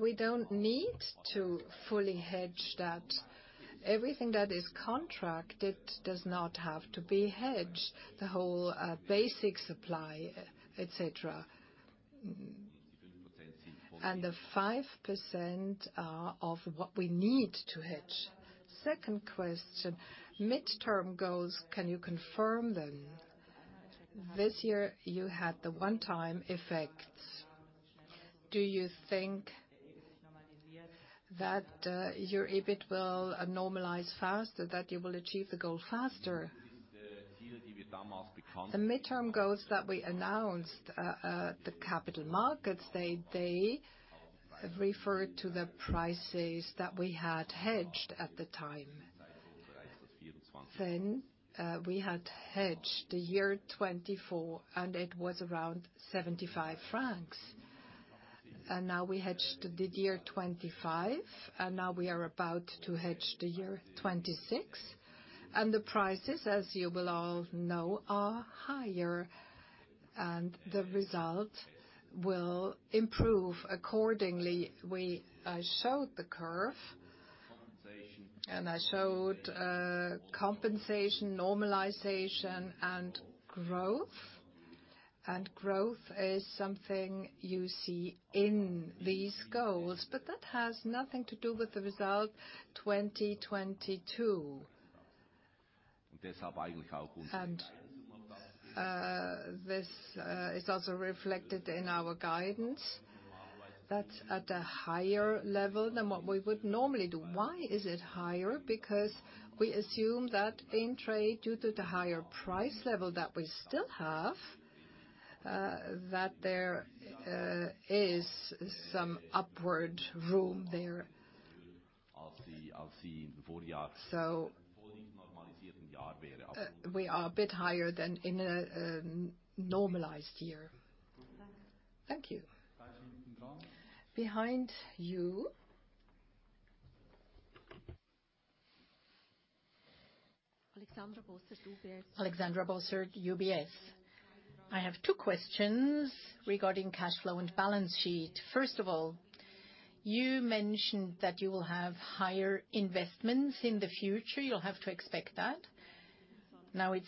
We don't need to fully hedge that. Everything that is contracted does not have to be hedged. The whole basic supply, et cetera. The 5% are of what we need to hedge. Second question. Midterm goals, can you confirm them? This year you had the one-time effects. Do you think that your EBIT will normalize faster, that you will achieve the goal faster? The midterm goals that we announced at the capital markets, they refer to the prices that we had hedged at the time. We had hedged the year 2024, and it was around 75 francs. Now we hedged the year 2025, now we are about to hedge the year 2026. The prices, as you will all know, are higher, and the result will improve accordingly. I showed the curve, and I showed compensation, normalization and growth. Growth is something you see in these goals. That has nothing to do with the result 2022. This is also reflected in our guidance. That's at a higher level than what we would normally do. Why is it higher? We assume that in trade, due to the higher price level that we still have, that there is some upward room there. We are a bit higher than in a normalized year. Thank you. Behind you. Alexandra Bossert, UBS. Alexandra Bossert, UBS. I have two questions regarding cash flow and balance sheet. You mentioned that you will have higher investments in the future. You'll have to expect that. Now it's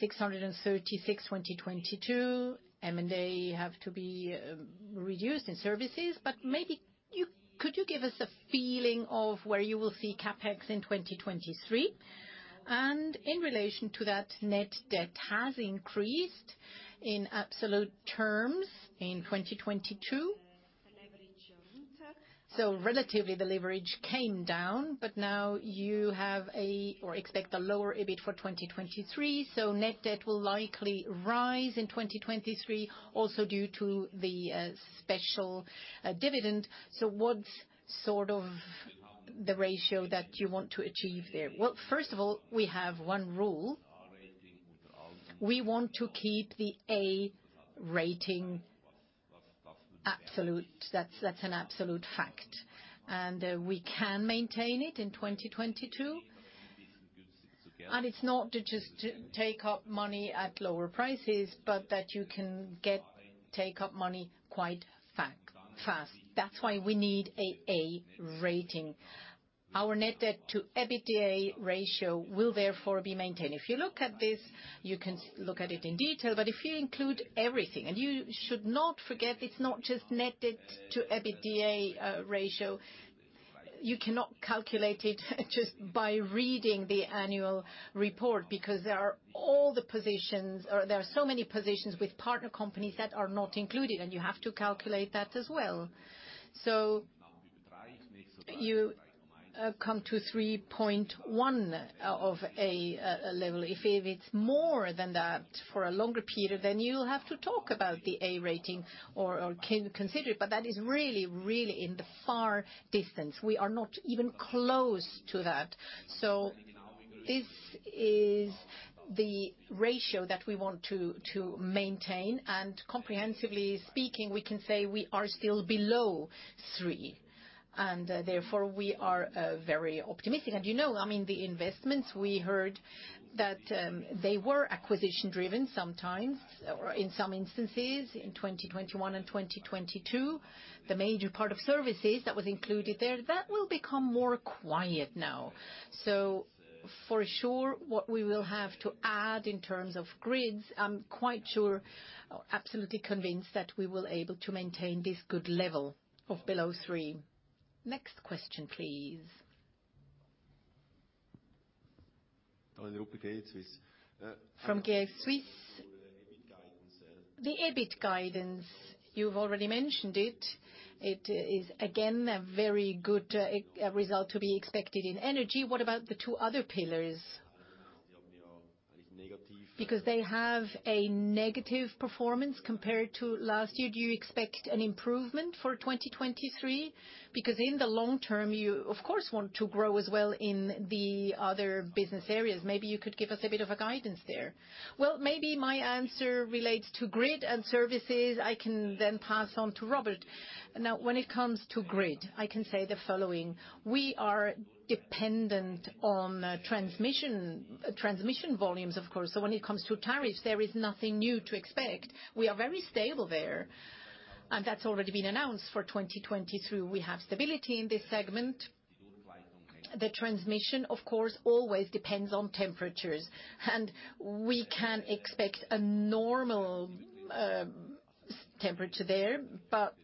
636 2022. M&A have to be reduced in services, but maybe, could you give us a feeling of where you will see CapEx in 2023? In relation to that, net debt has increased in absolute terms in 2022. Relatively, the leverage came down, but now you have, or expect a lower EBIT for 2023, so net debt will likely rise in 2023 also due to the special dividend. What's sort of the ratio that you want to achieve there? Well, first of all, we have one rule. We want to keep the A rating absolute. That's an absolute fact. We can maintain it in 2022. It's not to just, to take up money at lower prices, but that you can get, take up money quite fast. That's why we need a A rating. Our Net Debt to EBITDA ratio will therefore be maintained. If you look at this, you can look at it in detail, but if you include everything, you should not forget, it's not just Net Debt to EBITDA ratio You cannot calculate it just by reading the annual report because there are all the positions. There are so many positions with partner companies that are not included, and you have to calculate that as well. You come to 3.1 of a level. If it's more than that for a longer period, then you'll have to talk about the A rating or consider it. That is really, really in the far distance. We are not even close to that. This is the ratio that we want to maintain. Comprehensively speaking, we can say we are still below 3. Therefore, we are very optimistic. You know, I mean, the investments, we heard that, they were acquisition driven sometimes or in some instances in 2021 and 2022. The major part of services that was included there, that will become more quiet now. For sure, what we will have to add in terms of grids, I'm quite sure or absolutely convinced that we will able to maintain this good level of below 3. Next question, please. From GS Swiss. The EBIT guidance, you've already mentioned it. It is again a very good result to be expected in energy. What about the 2 other pillars? They have a negative performance compared to last year. Do you expect an improvement for 2023? In the long term, you of course want to grow as well in the other business areas. Maybe you could give us a bit of a guidance there. Well, maybe my answer relates to grid and services. I can then pass on to Robert. When it comes to grid, I can say the following: We are dependent on transmission volumes, of course. When it comes to tariffs, there is nothing new to expect. We are very stable there, that's already been announced for 2022. We have stability in this segment. The transmission, of course, always depends on temperatures, and we can expect a normal temperature there.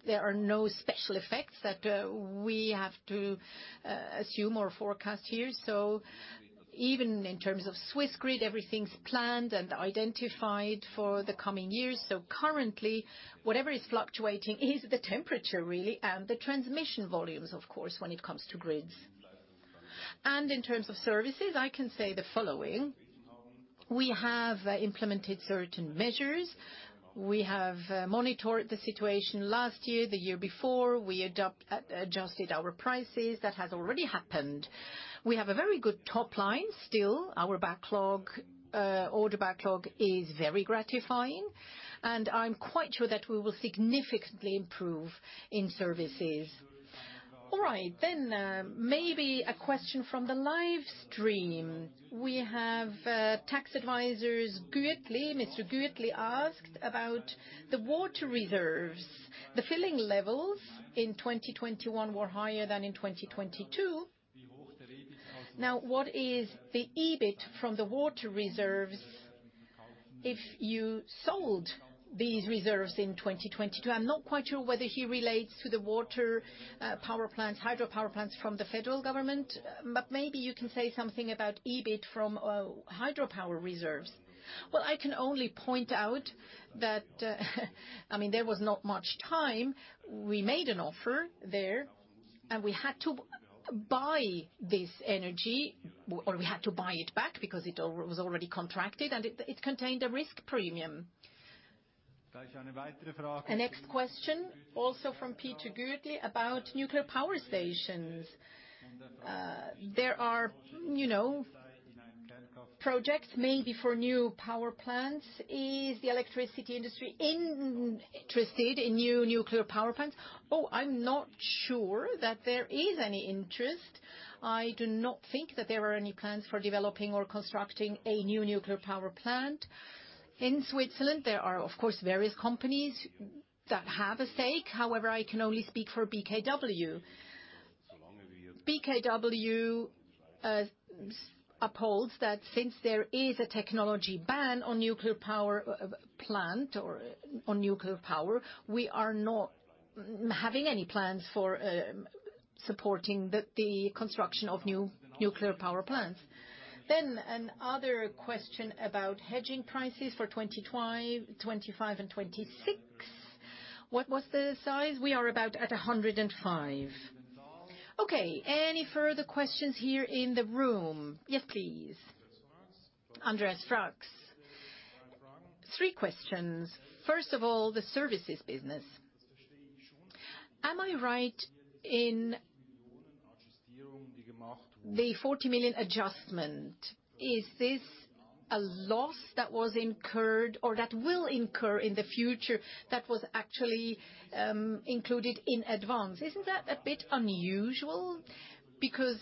There are no special effects that we have to assume or forecast here. Even in terms of Swiss grid, everything's planned and identified for the coming years. Currently, whatever is fluctuating is the temperature really, and the transmission volumes, of course, when it comes to grids. In terms of services, I can say the following: We have implemented certain measures. We have monitored the situation last year, the year before. We adopt... Adjusted our prices. That has already happened. We have a very good top line still. Our backlog, order backlog is very gratifying. I'm quite sure that we will significantly improve in services. All right. Maybe a question from the live stream. We have tax advisors, Güetli. Mr. Güetli asked about the water reserves. The filling levels in 2021 were higher than in 2022. What is the EBIT from the water reserves if you sold these reserves in 2022? I'm not quite sure whether he relates to the water power plants, hydropower plants from the federal government. Maybe you can say something about EBIT from hydropower reserves. I can only point out that, I mean, there was not much time. We made an offer there, we had to buy this energy, or we had to buy it back because it was already contracted, and it contained a risk premium. The next question, also from Peter Güetli about nuclear power stations. There are, you know, projects maybe for new power plants. Is the electricity industry interested in new nuclear power plants? I'm not sure that there is any interest. I do not think that there are any plans for developing or constructing a new nuclear power plant. In Switzerland, there are, of course, various companies that have a stake. However, I can only speak for BKW. BKW upholds that since there is a technology ban on nuclear power, plant or on nuclear power, we are not having any plans for supporting the construction of new nuclear power plants. Another question about hedging prices for 2025 and 2026. What was the size? We are about at 105. Okay. Any further questions here in the room? Yes, please. Andreas Franck. Three questions. First of all, the services business. Am I right in the 40 million adjustment, is this a loss that was incurred or that will incur in the future that was actually included in advance? Isn't that a bit unusual? Because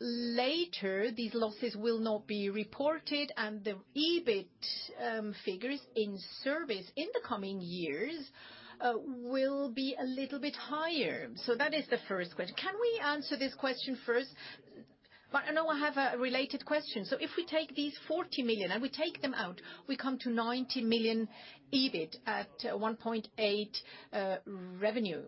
later, these losses will not be reported and the EBIT figures in service in the coming years will be a little bit higher. That is the first question. Can we answer this question first? Now I have a related question. If we take these 40 million and we take them out, we come to 90 million EBIT at 1.8 revenue.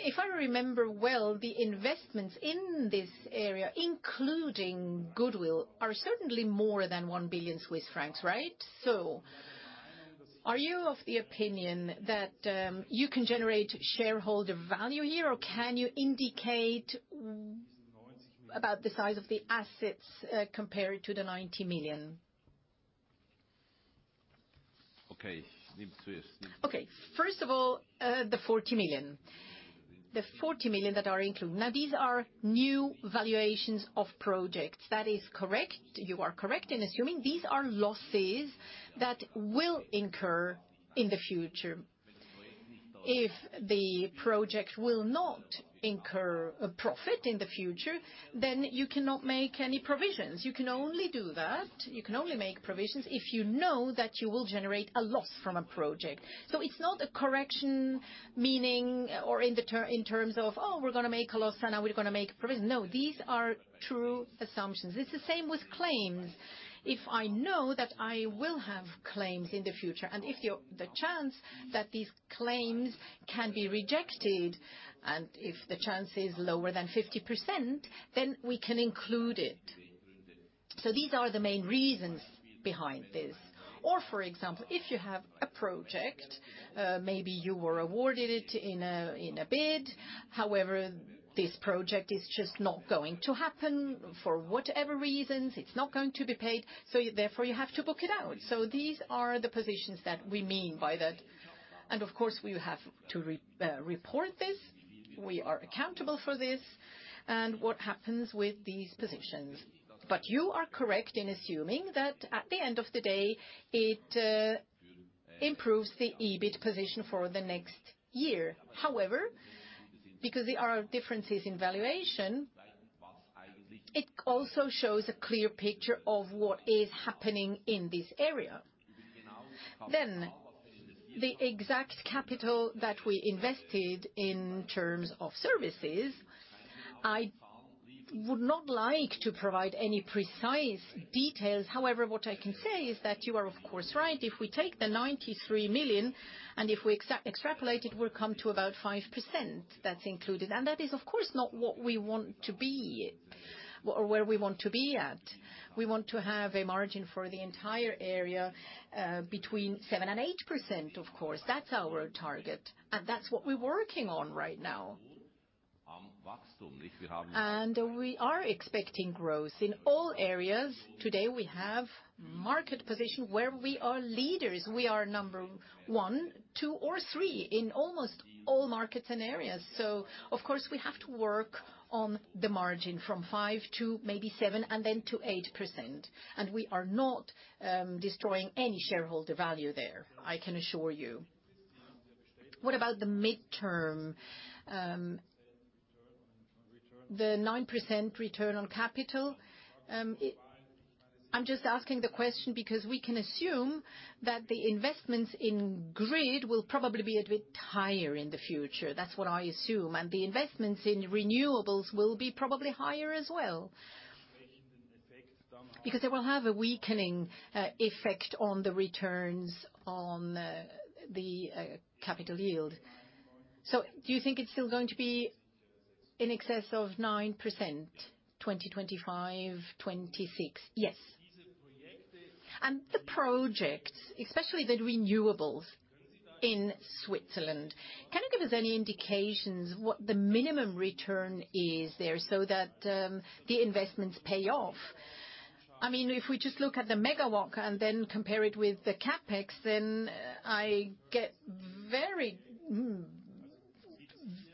If I remember well, the investments in this area, including goodwill, are certainly more than 1 billion Swiss francs, right? Are you of the opinion that you can generate shareholder value here, or can you indicate about the size of the assets compared to the 90 million? Okay. Okay. First of all, the 40 million. The 40 million that are included. These are new valuations of projects. That is correct. You are correct in assuming these are losses that will incur in the future. If the project will not incur a profit in the future, then you cannot make any provisions. You can only do that, you can only make provisions if you know that you will generate a loss from a project. It's not a correction meaning or in terms of, oh, we're gonna make a loss, and now we're gonna make a provision. These are true assumptions. It's the same with claims. If I know that I will have claims in the future, and if the chance that these claims can be rejected, and if the chance is lower than 50%, then we can include it. These are the main reasons behind this. For example, if you have a project, maybe you were awarded it in a bid, however, this project is just not gonna happen for whatever reasons, it's not gonna be paid, so therefore, you have to book it out. These are the positions that we mean by that. Of course, we have to report this. We are accountable for this and what happens with these positions. You are correct in assuming that at the end of the day, it improves the EBIT position for the next year. However, because there are differences in valuation, it also shows a clear picture of what is happening in this area. The exact capital that we invested in terms of services, I would not like to provide any precise details. However, what I can say is that you are of course, right. If we take the 93 million, and if we extrapolated, we come to about 5% that's included. That is, of course, not what we want to be or where we want to be at. We want to have a margin for the entire area, between 7%-8%, of course. That's our target, that's what we're working on right now. We are expecting growth in all areas. Today, we have market position where we are leaders. We are number one, two or three in almost all markets and areas. Of course, we have to work on the margin from five to maybe seven and then to 8%. We are not destroying any shareholder value there, I can assure you. What about the midterm, the 9% return on capital? I'm just asking the question because we can assume that the investments in grid will probably be a bit higher in the future. That's what I assume. The investments in renewables will be probably higher as well. Because they will have a weakening effect on the returns on the capital yield. Do you think it's still going to be in excess of 9%, 2025, 2026? Yes. The projects, especially the renewables in Switzerland, can you give us any indications what the minimum return is there so that the investments pay off? I mean, if we just look at the MWh and then compare it with the CapEx, then I get very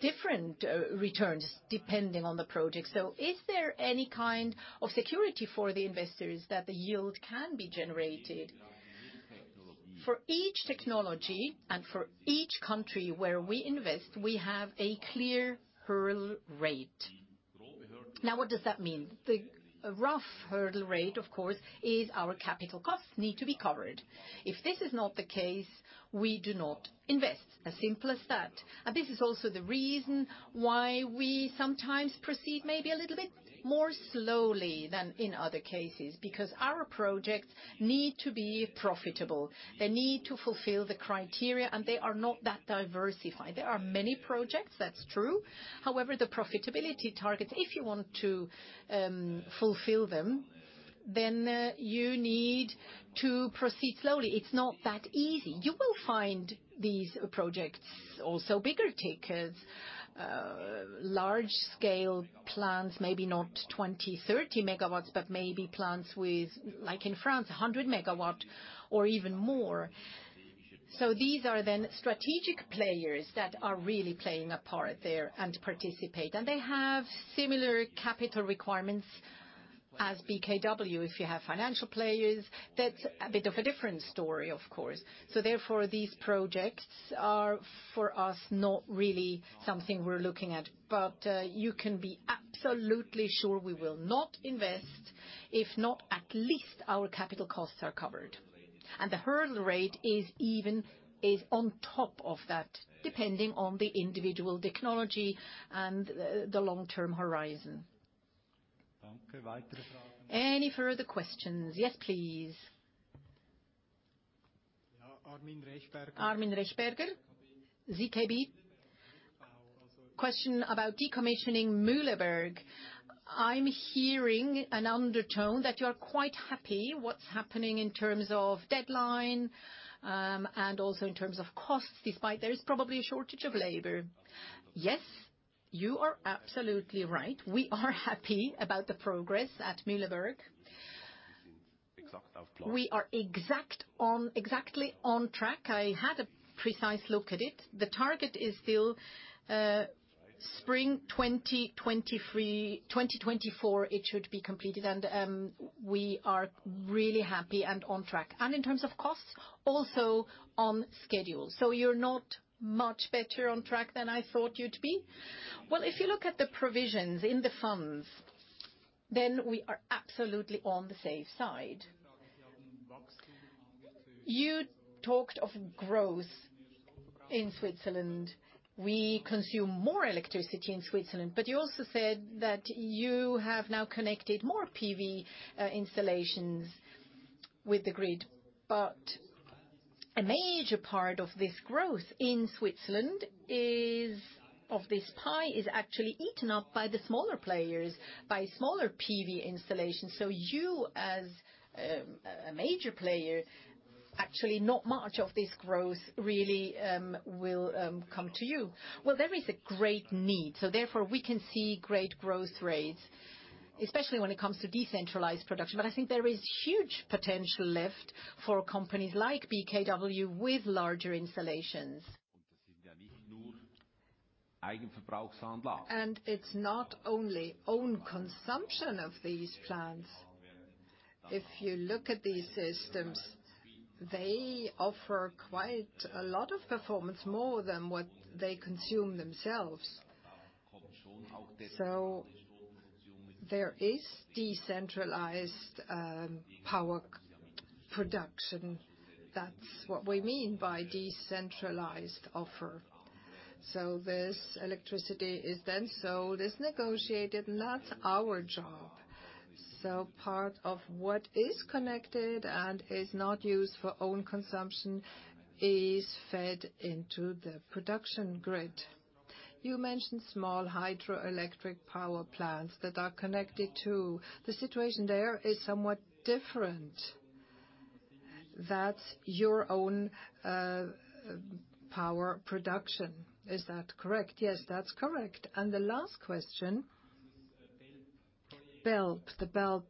different returns depending on the project. Is there any kind of security for the investors that the yield can be generated? For each technology and for each country where we invest, we have a clear hurdle rate. What does that mean? The rough hurdle rate, of course, is our capital costs need to be covered. If this is not the case, we do not invest. As simple as that. This is also the reason why we sometimes proceed maybe a little bit more slowly than in other cases, because our projects need to be profitable. They need to fulfill the criteria, and they are not that diversified. There are many projects, that's true. The profitability targets, if you want to fulfill them, then you need to proceed slowly. It's not that easy. You will find these projects also bigger takers, large scale plants, maybe not 20, 30 MWs, but maybe plants with, like in France, 100 MWh or even more. These are then strategic players that are really playing a part there and participate. They have similar capital requirements as BKW. If you have financial players, that's a bit of a different story, of course. Therefore, these projects are, for us, not really something we're looking at. you can be absolutely sure we will not invest If not, at least our capital costs are covered. The hurdle rate is on top of that, depending on the individual technology and the long-term horizon. Any further questions? Yes, please. Yeah, Armin Rechberger. Armin Rechberger, ZKB. Question about decommissioning Mühleberg. I'm hearing an undertone that you're quite happy what's happening in terms of deadline, and also in terms of costs, despite there is probably a shortage of labor. Yes, you are absolutely right. We are happy about the progress at Mühleberg. We are exactly on track. I had a precise look at it. The target is still spring 2024, it should be completed, we are really happy and on track. In terms of costs, also on schedule. You're not much better on track than I thought you'd to be? Well, if you look at the provisions in the funds, then we are absolutely on the safe side. You talked of growth in Switzerland. We consume more electricity in Switzerland, you also said that you have now connected more PV installations with the grid. A major part of this growth in Switzerland is, of this pie, is actually eaten up by the smaller players, by smaller PV installations. You as a major player, actually not much of this growth really will come to you. Well, there is a great need, therefore, we can see great growth rates, especially when it comes to decentralized production. I think there is huge potential left for companies like BKW with larger installations. It's not only own consumption of these plants. If you look at these systems, they offer quite a lot of performance, more than what they consume themselves. There is decentralized power production. That's what we mean by decentralized offer. This electricity is then sold, it's negotiated. That's our job. Part of what is connected and is not used for own consumption is fed into the production grid. You mentioned small hydroelectric power plants that are connected too. The situation there is somewhat different. That's your own power production. Is that correct? Yes, that's correct. The last question, Belp, the Belp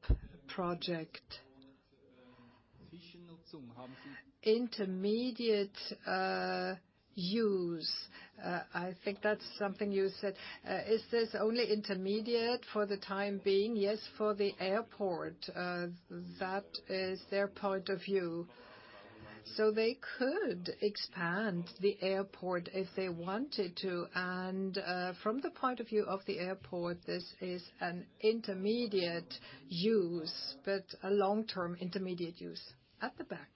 project. Intermediate use, I think that's something you said. Is this only intermediate for the time being? Yes, for the airport, that is their point of view. They could expand the airport if they wanted to. From the point of view of the airport, this is an intermediate use, but a long-term intermediate use. At the back.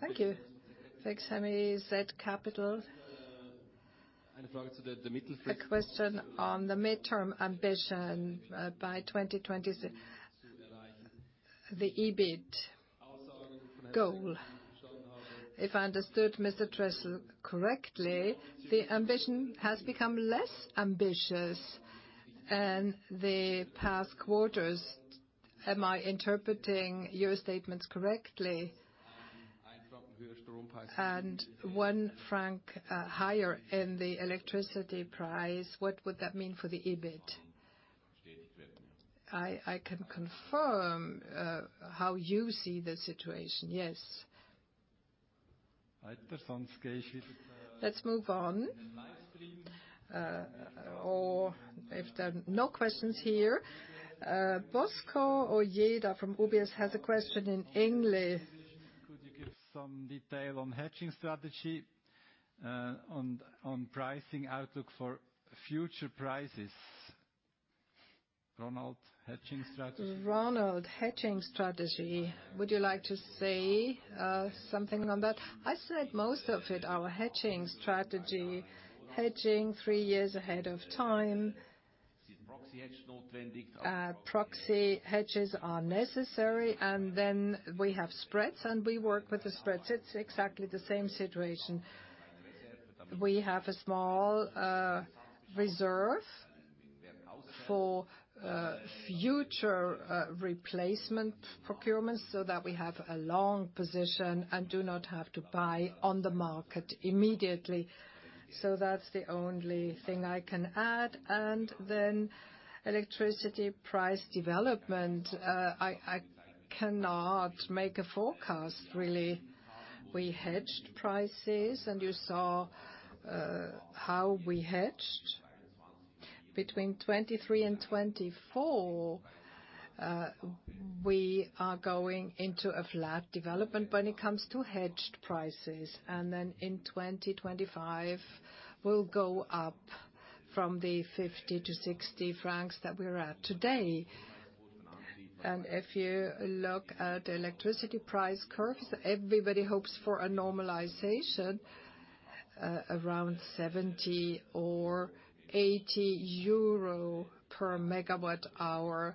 Thank you. Fixemi Z. Capital. A question on the midterm ambition. The EBIT goal. If I understood Mr. Trächsel correctly, the ambition has become less ambitious in the past quarters. Am I interpreting your statements correctly? 1 franc higher in the electricity price, what would that mean for the EBIT? I can confirm how you see the situation, yes. Let's move on. Or if there are no questions here, Bosco Ojeda from UBS has a question in English. Could you give some detail on hedging strategy, on pricing outlook for future prices? Ronald, hedging strategy. Ronald, hedging strategy. Would you like to say something on that? I said most of it, our hedging strategy. Hedging three years ahead of time. proxy hedges are necessary, and then we have spreads, and we work with the spreads. It's exactly the same situation. We have a small reserve for future replacement procurements, so that we have a long position and do not have to buy on the market immediately. That's the only thing I can add. Then electricity price development, I cannot make a forecast, really. We hedged prices, and you saw how we hedged. Between 2023 and 2024, we are going into a flat development when it comes to hedged prices, and then in 2025, we'll go up from the 50-60 francs that we're at today. If you look at electricity price curves, everybody hopes for a normalization, around EUR 70 or 80 per MWh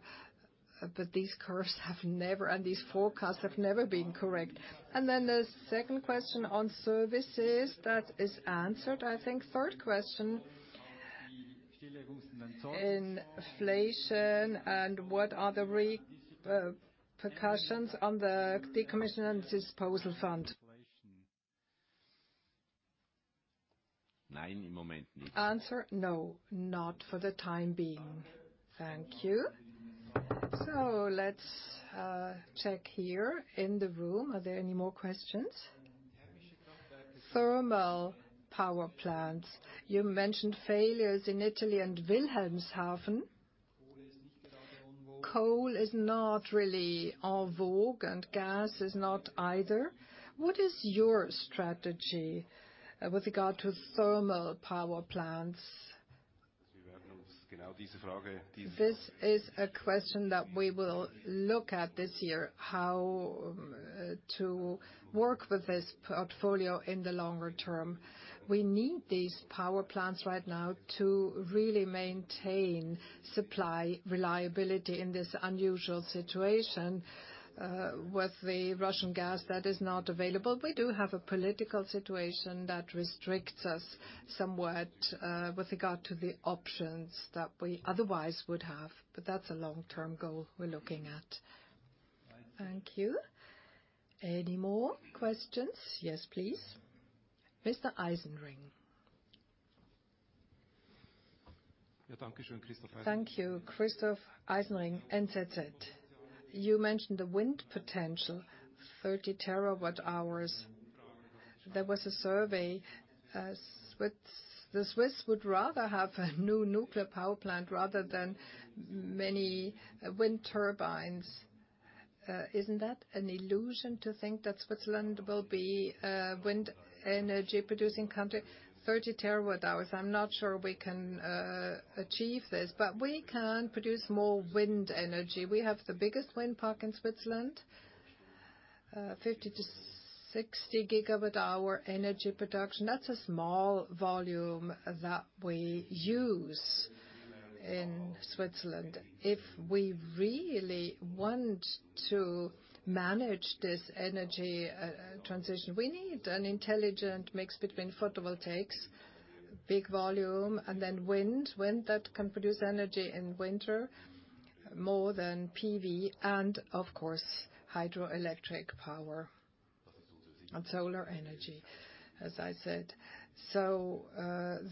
These curves and these forecasts have never been correct. The second question on services, that is answered, I think. Third question, inflation and what are the repercussions on the decommissioning and disposal fund? Answer: No, not for the time being. Thank you. Let's check here in the room. Are there any more questions? Thermal power plants. You mentioned failures in Italy and Wilhelmshaven. Coal is not really en vogue, and gas is not either. What is your strategy with regard to thermal power plants? This is a question that we will look at this year, how to work with this portfolio in the longer term. We need these power plants right now to really maintain supply reliability in this unusual situation, with the Russian gas that is not available. We do have a political situation that restricts us somewhat, with regard to the options that we otherwise would have, but that's a long-term goal we're looking at. Thank you. Any more questions? Yes, please. Mr. Eisenring. Thank you. Christoph Eisenring, NZZ. You mentioned the wind potential, 30 TWh. There was a survey, the Swiss would rather have a new nuclear power plant rather than many wind turbines. Isn't that an illusion to think that Switzerland will be a wind energy-producing country? 30 TWh, I'm not sure we can achieve this, but we can produce more wind energy. We have the biggest wind park in Switzerland, 50-60 gigawatt-hour energy production. That's a small volume that we use in Switzerland. If we really want to manage this energy transition, we need an intelligent mix between photovoltaics, big volume, and then wind that can produce energy in winter more than PV and, of course, hydroelectric power and solar energy, as I said.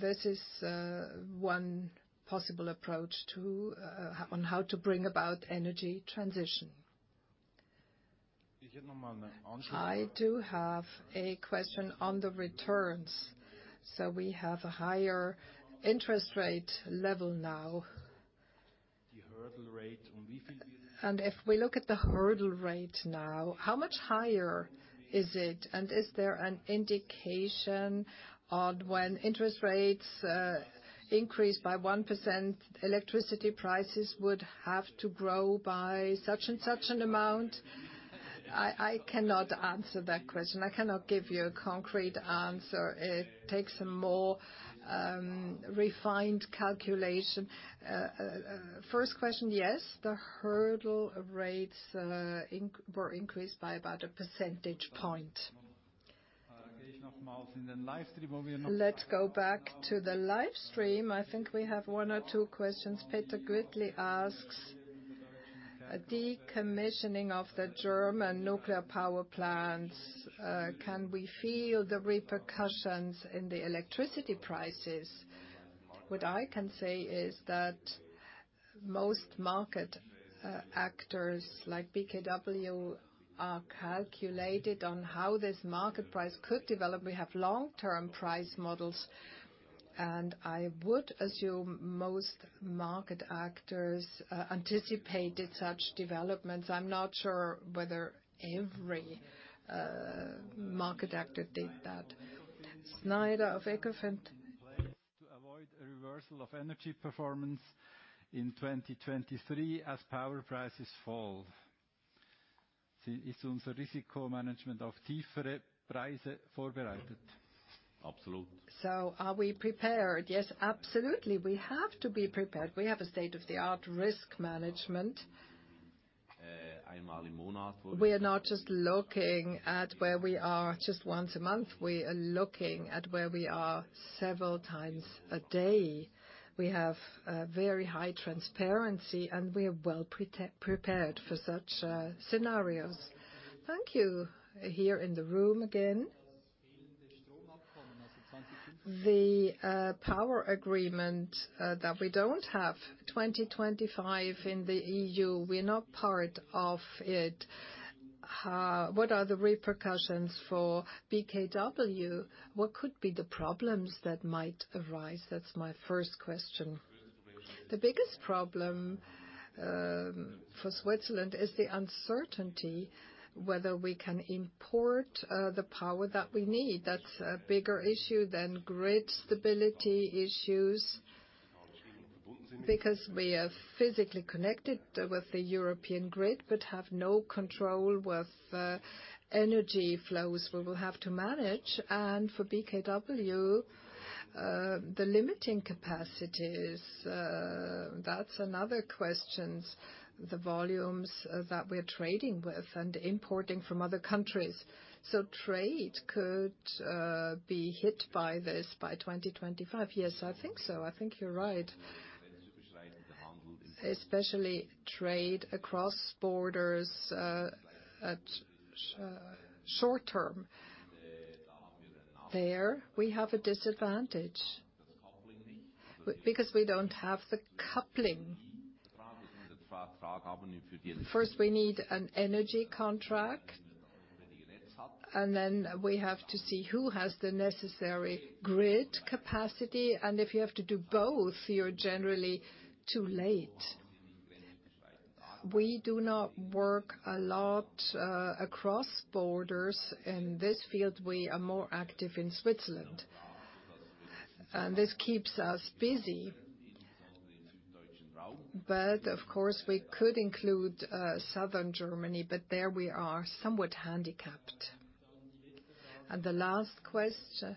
This is one possible approach to on how to bring about energy transition. I do have a question on the returns. We have a higher interest rate level now. If we look at the hurdle rate now, how much higher is it? Is there an indication on when interest rates increase by 1%, electricity prices would have to grow by such and such an amount? I cannot answer that question. I cannot give you a concrete answer. It takes a more refined calculation. First question, yes, the hurdle rates were increased by about a percentage point. Let's go back to the live stream. I think we have one or two questions. Peter Gredig asks, decommissioning of the German nuclear power plants, can we feel the repercussions in the electricity prices? What I can say is that most market actors like BKW are calculated on how this market price could develop. We have long-term price models, and I would assume most market actors anticipated such developments. I'm not sure whether every market actor did that. Schneider of Ecofin. To avoid a reversal of energy performance in 2023 as power prices fall. Are we prepared? Yes, absolutely. We have to be prepared. We have a state-of-the-art risk management. We are not just looking at where we are just once a month. We are looking at where we are several times a day. We have very high transparency, and we're well prepared for such scenarios. Thank you. Here in the room again. The power agreement that we don't have, 2025 in the EU, we're not part of it. What are the repercussions for BKW? What could be the problems that might arise? That's my first question. The biggest problem for Switzerland is the uncertainty whether we can import the power that we need. That's a bigger issue than grid stability issues, because we are physically connected with the European grid, but have no control with energy flows we will have to manage. For BKW, the limiting capacities, that's another question. The volumes that we're trading with and importing from other countries. Trade could be hit by this by 2025? Yes, I think so. I think you're right. Especially trade across borders at short term. There we have a disadvantage because we don't have the coupling. First we need an energy contract, and then we have to see who has the necessary grid capacity. If you have to do both, you're generally too late. We do not work a lot across borders in this field. We are more active in Switzerland, and this keeps us busy. Of course, we could include southern Germany, but there we are somewhat handicapped. The last question.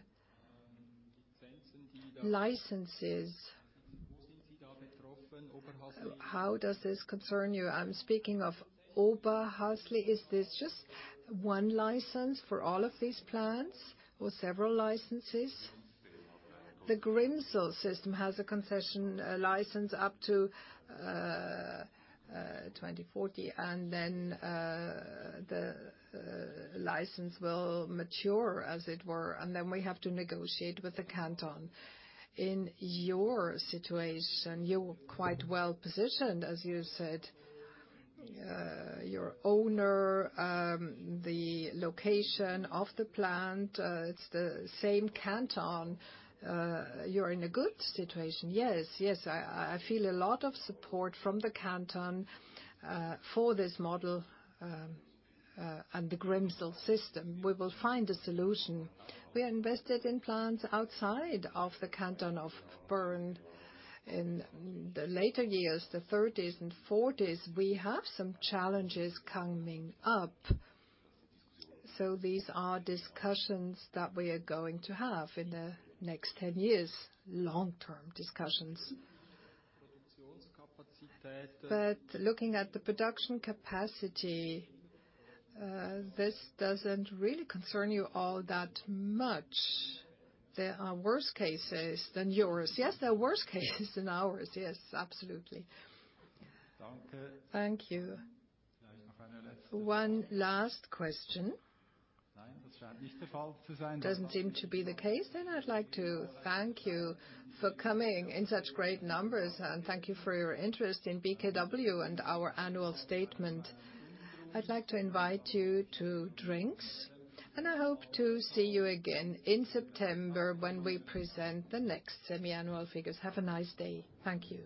Licenses, how does this concern you? I'm speaking of Oberhasli. Is this just 1 license for all of these plants or several licenses? The Grimsel system has a concession license up to 2040, and then the license will mature, as it were, and then we have to negotiate with the canton. In your situation, you're quite well-positioned, as you said. Your owner, the location of the plant, it's the same canton. You're in a good situation. Yes, I feel a lot of support from the canton for this model and the Grimsel system. We will find a solution. We are invested in plants outside of the canton of Bern. In the later years, the 30s and 40s, we have some challenges coming up. These are discussions that we are going to have in the next 10 years, long-term discussions. Looking at the production capacity, this doesn't really concern you all that much. There are worse cases than yours. Yes, there are worse cases than ours. Yes, absolutely. Thank you. One last question. Doesn't seem to be the case. I'd like to thank you for coming in such great numbers, and thank you for your interest in BKW and our annual statement. I'd like to invite you to drinks, and I hope to see you again in September when we present the next semi-annual figures. Have a nice day. Thank you.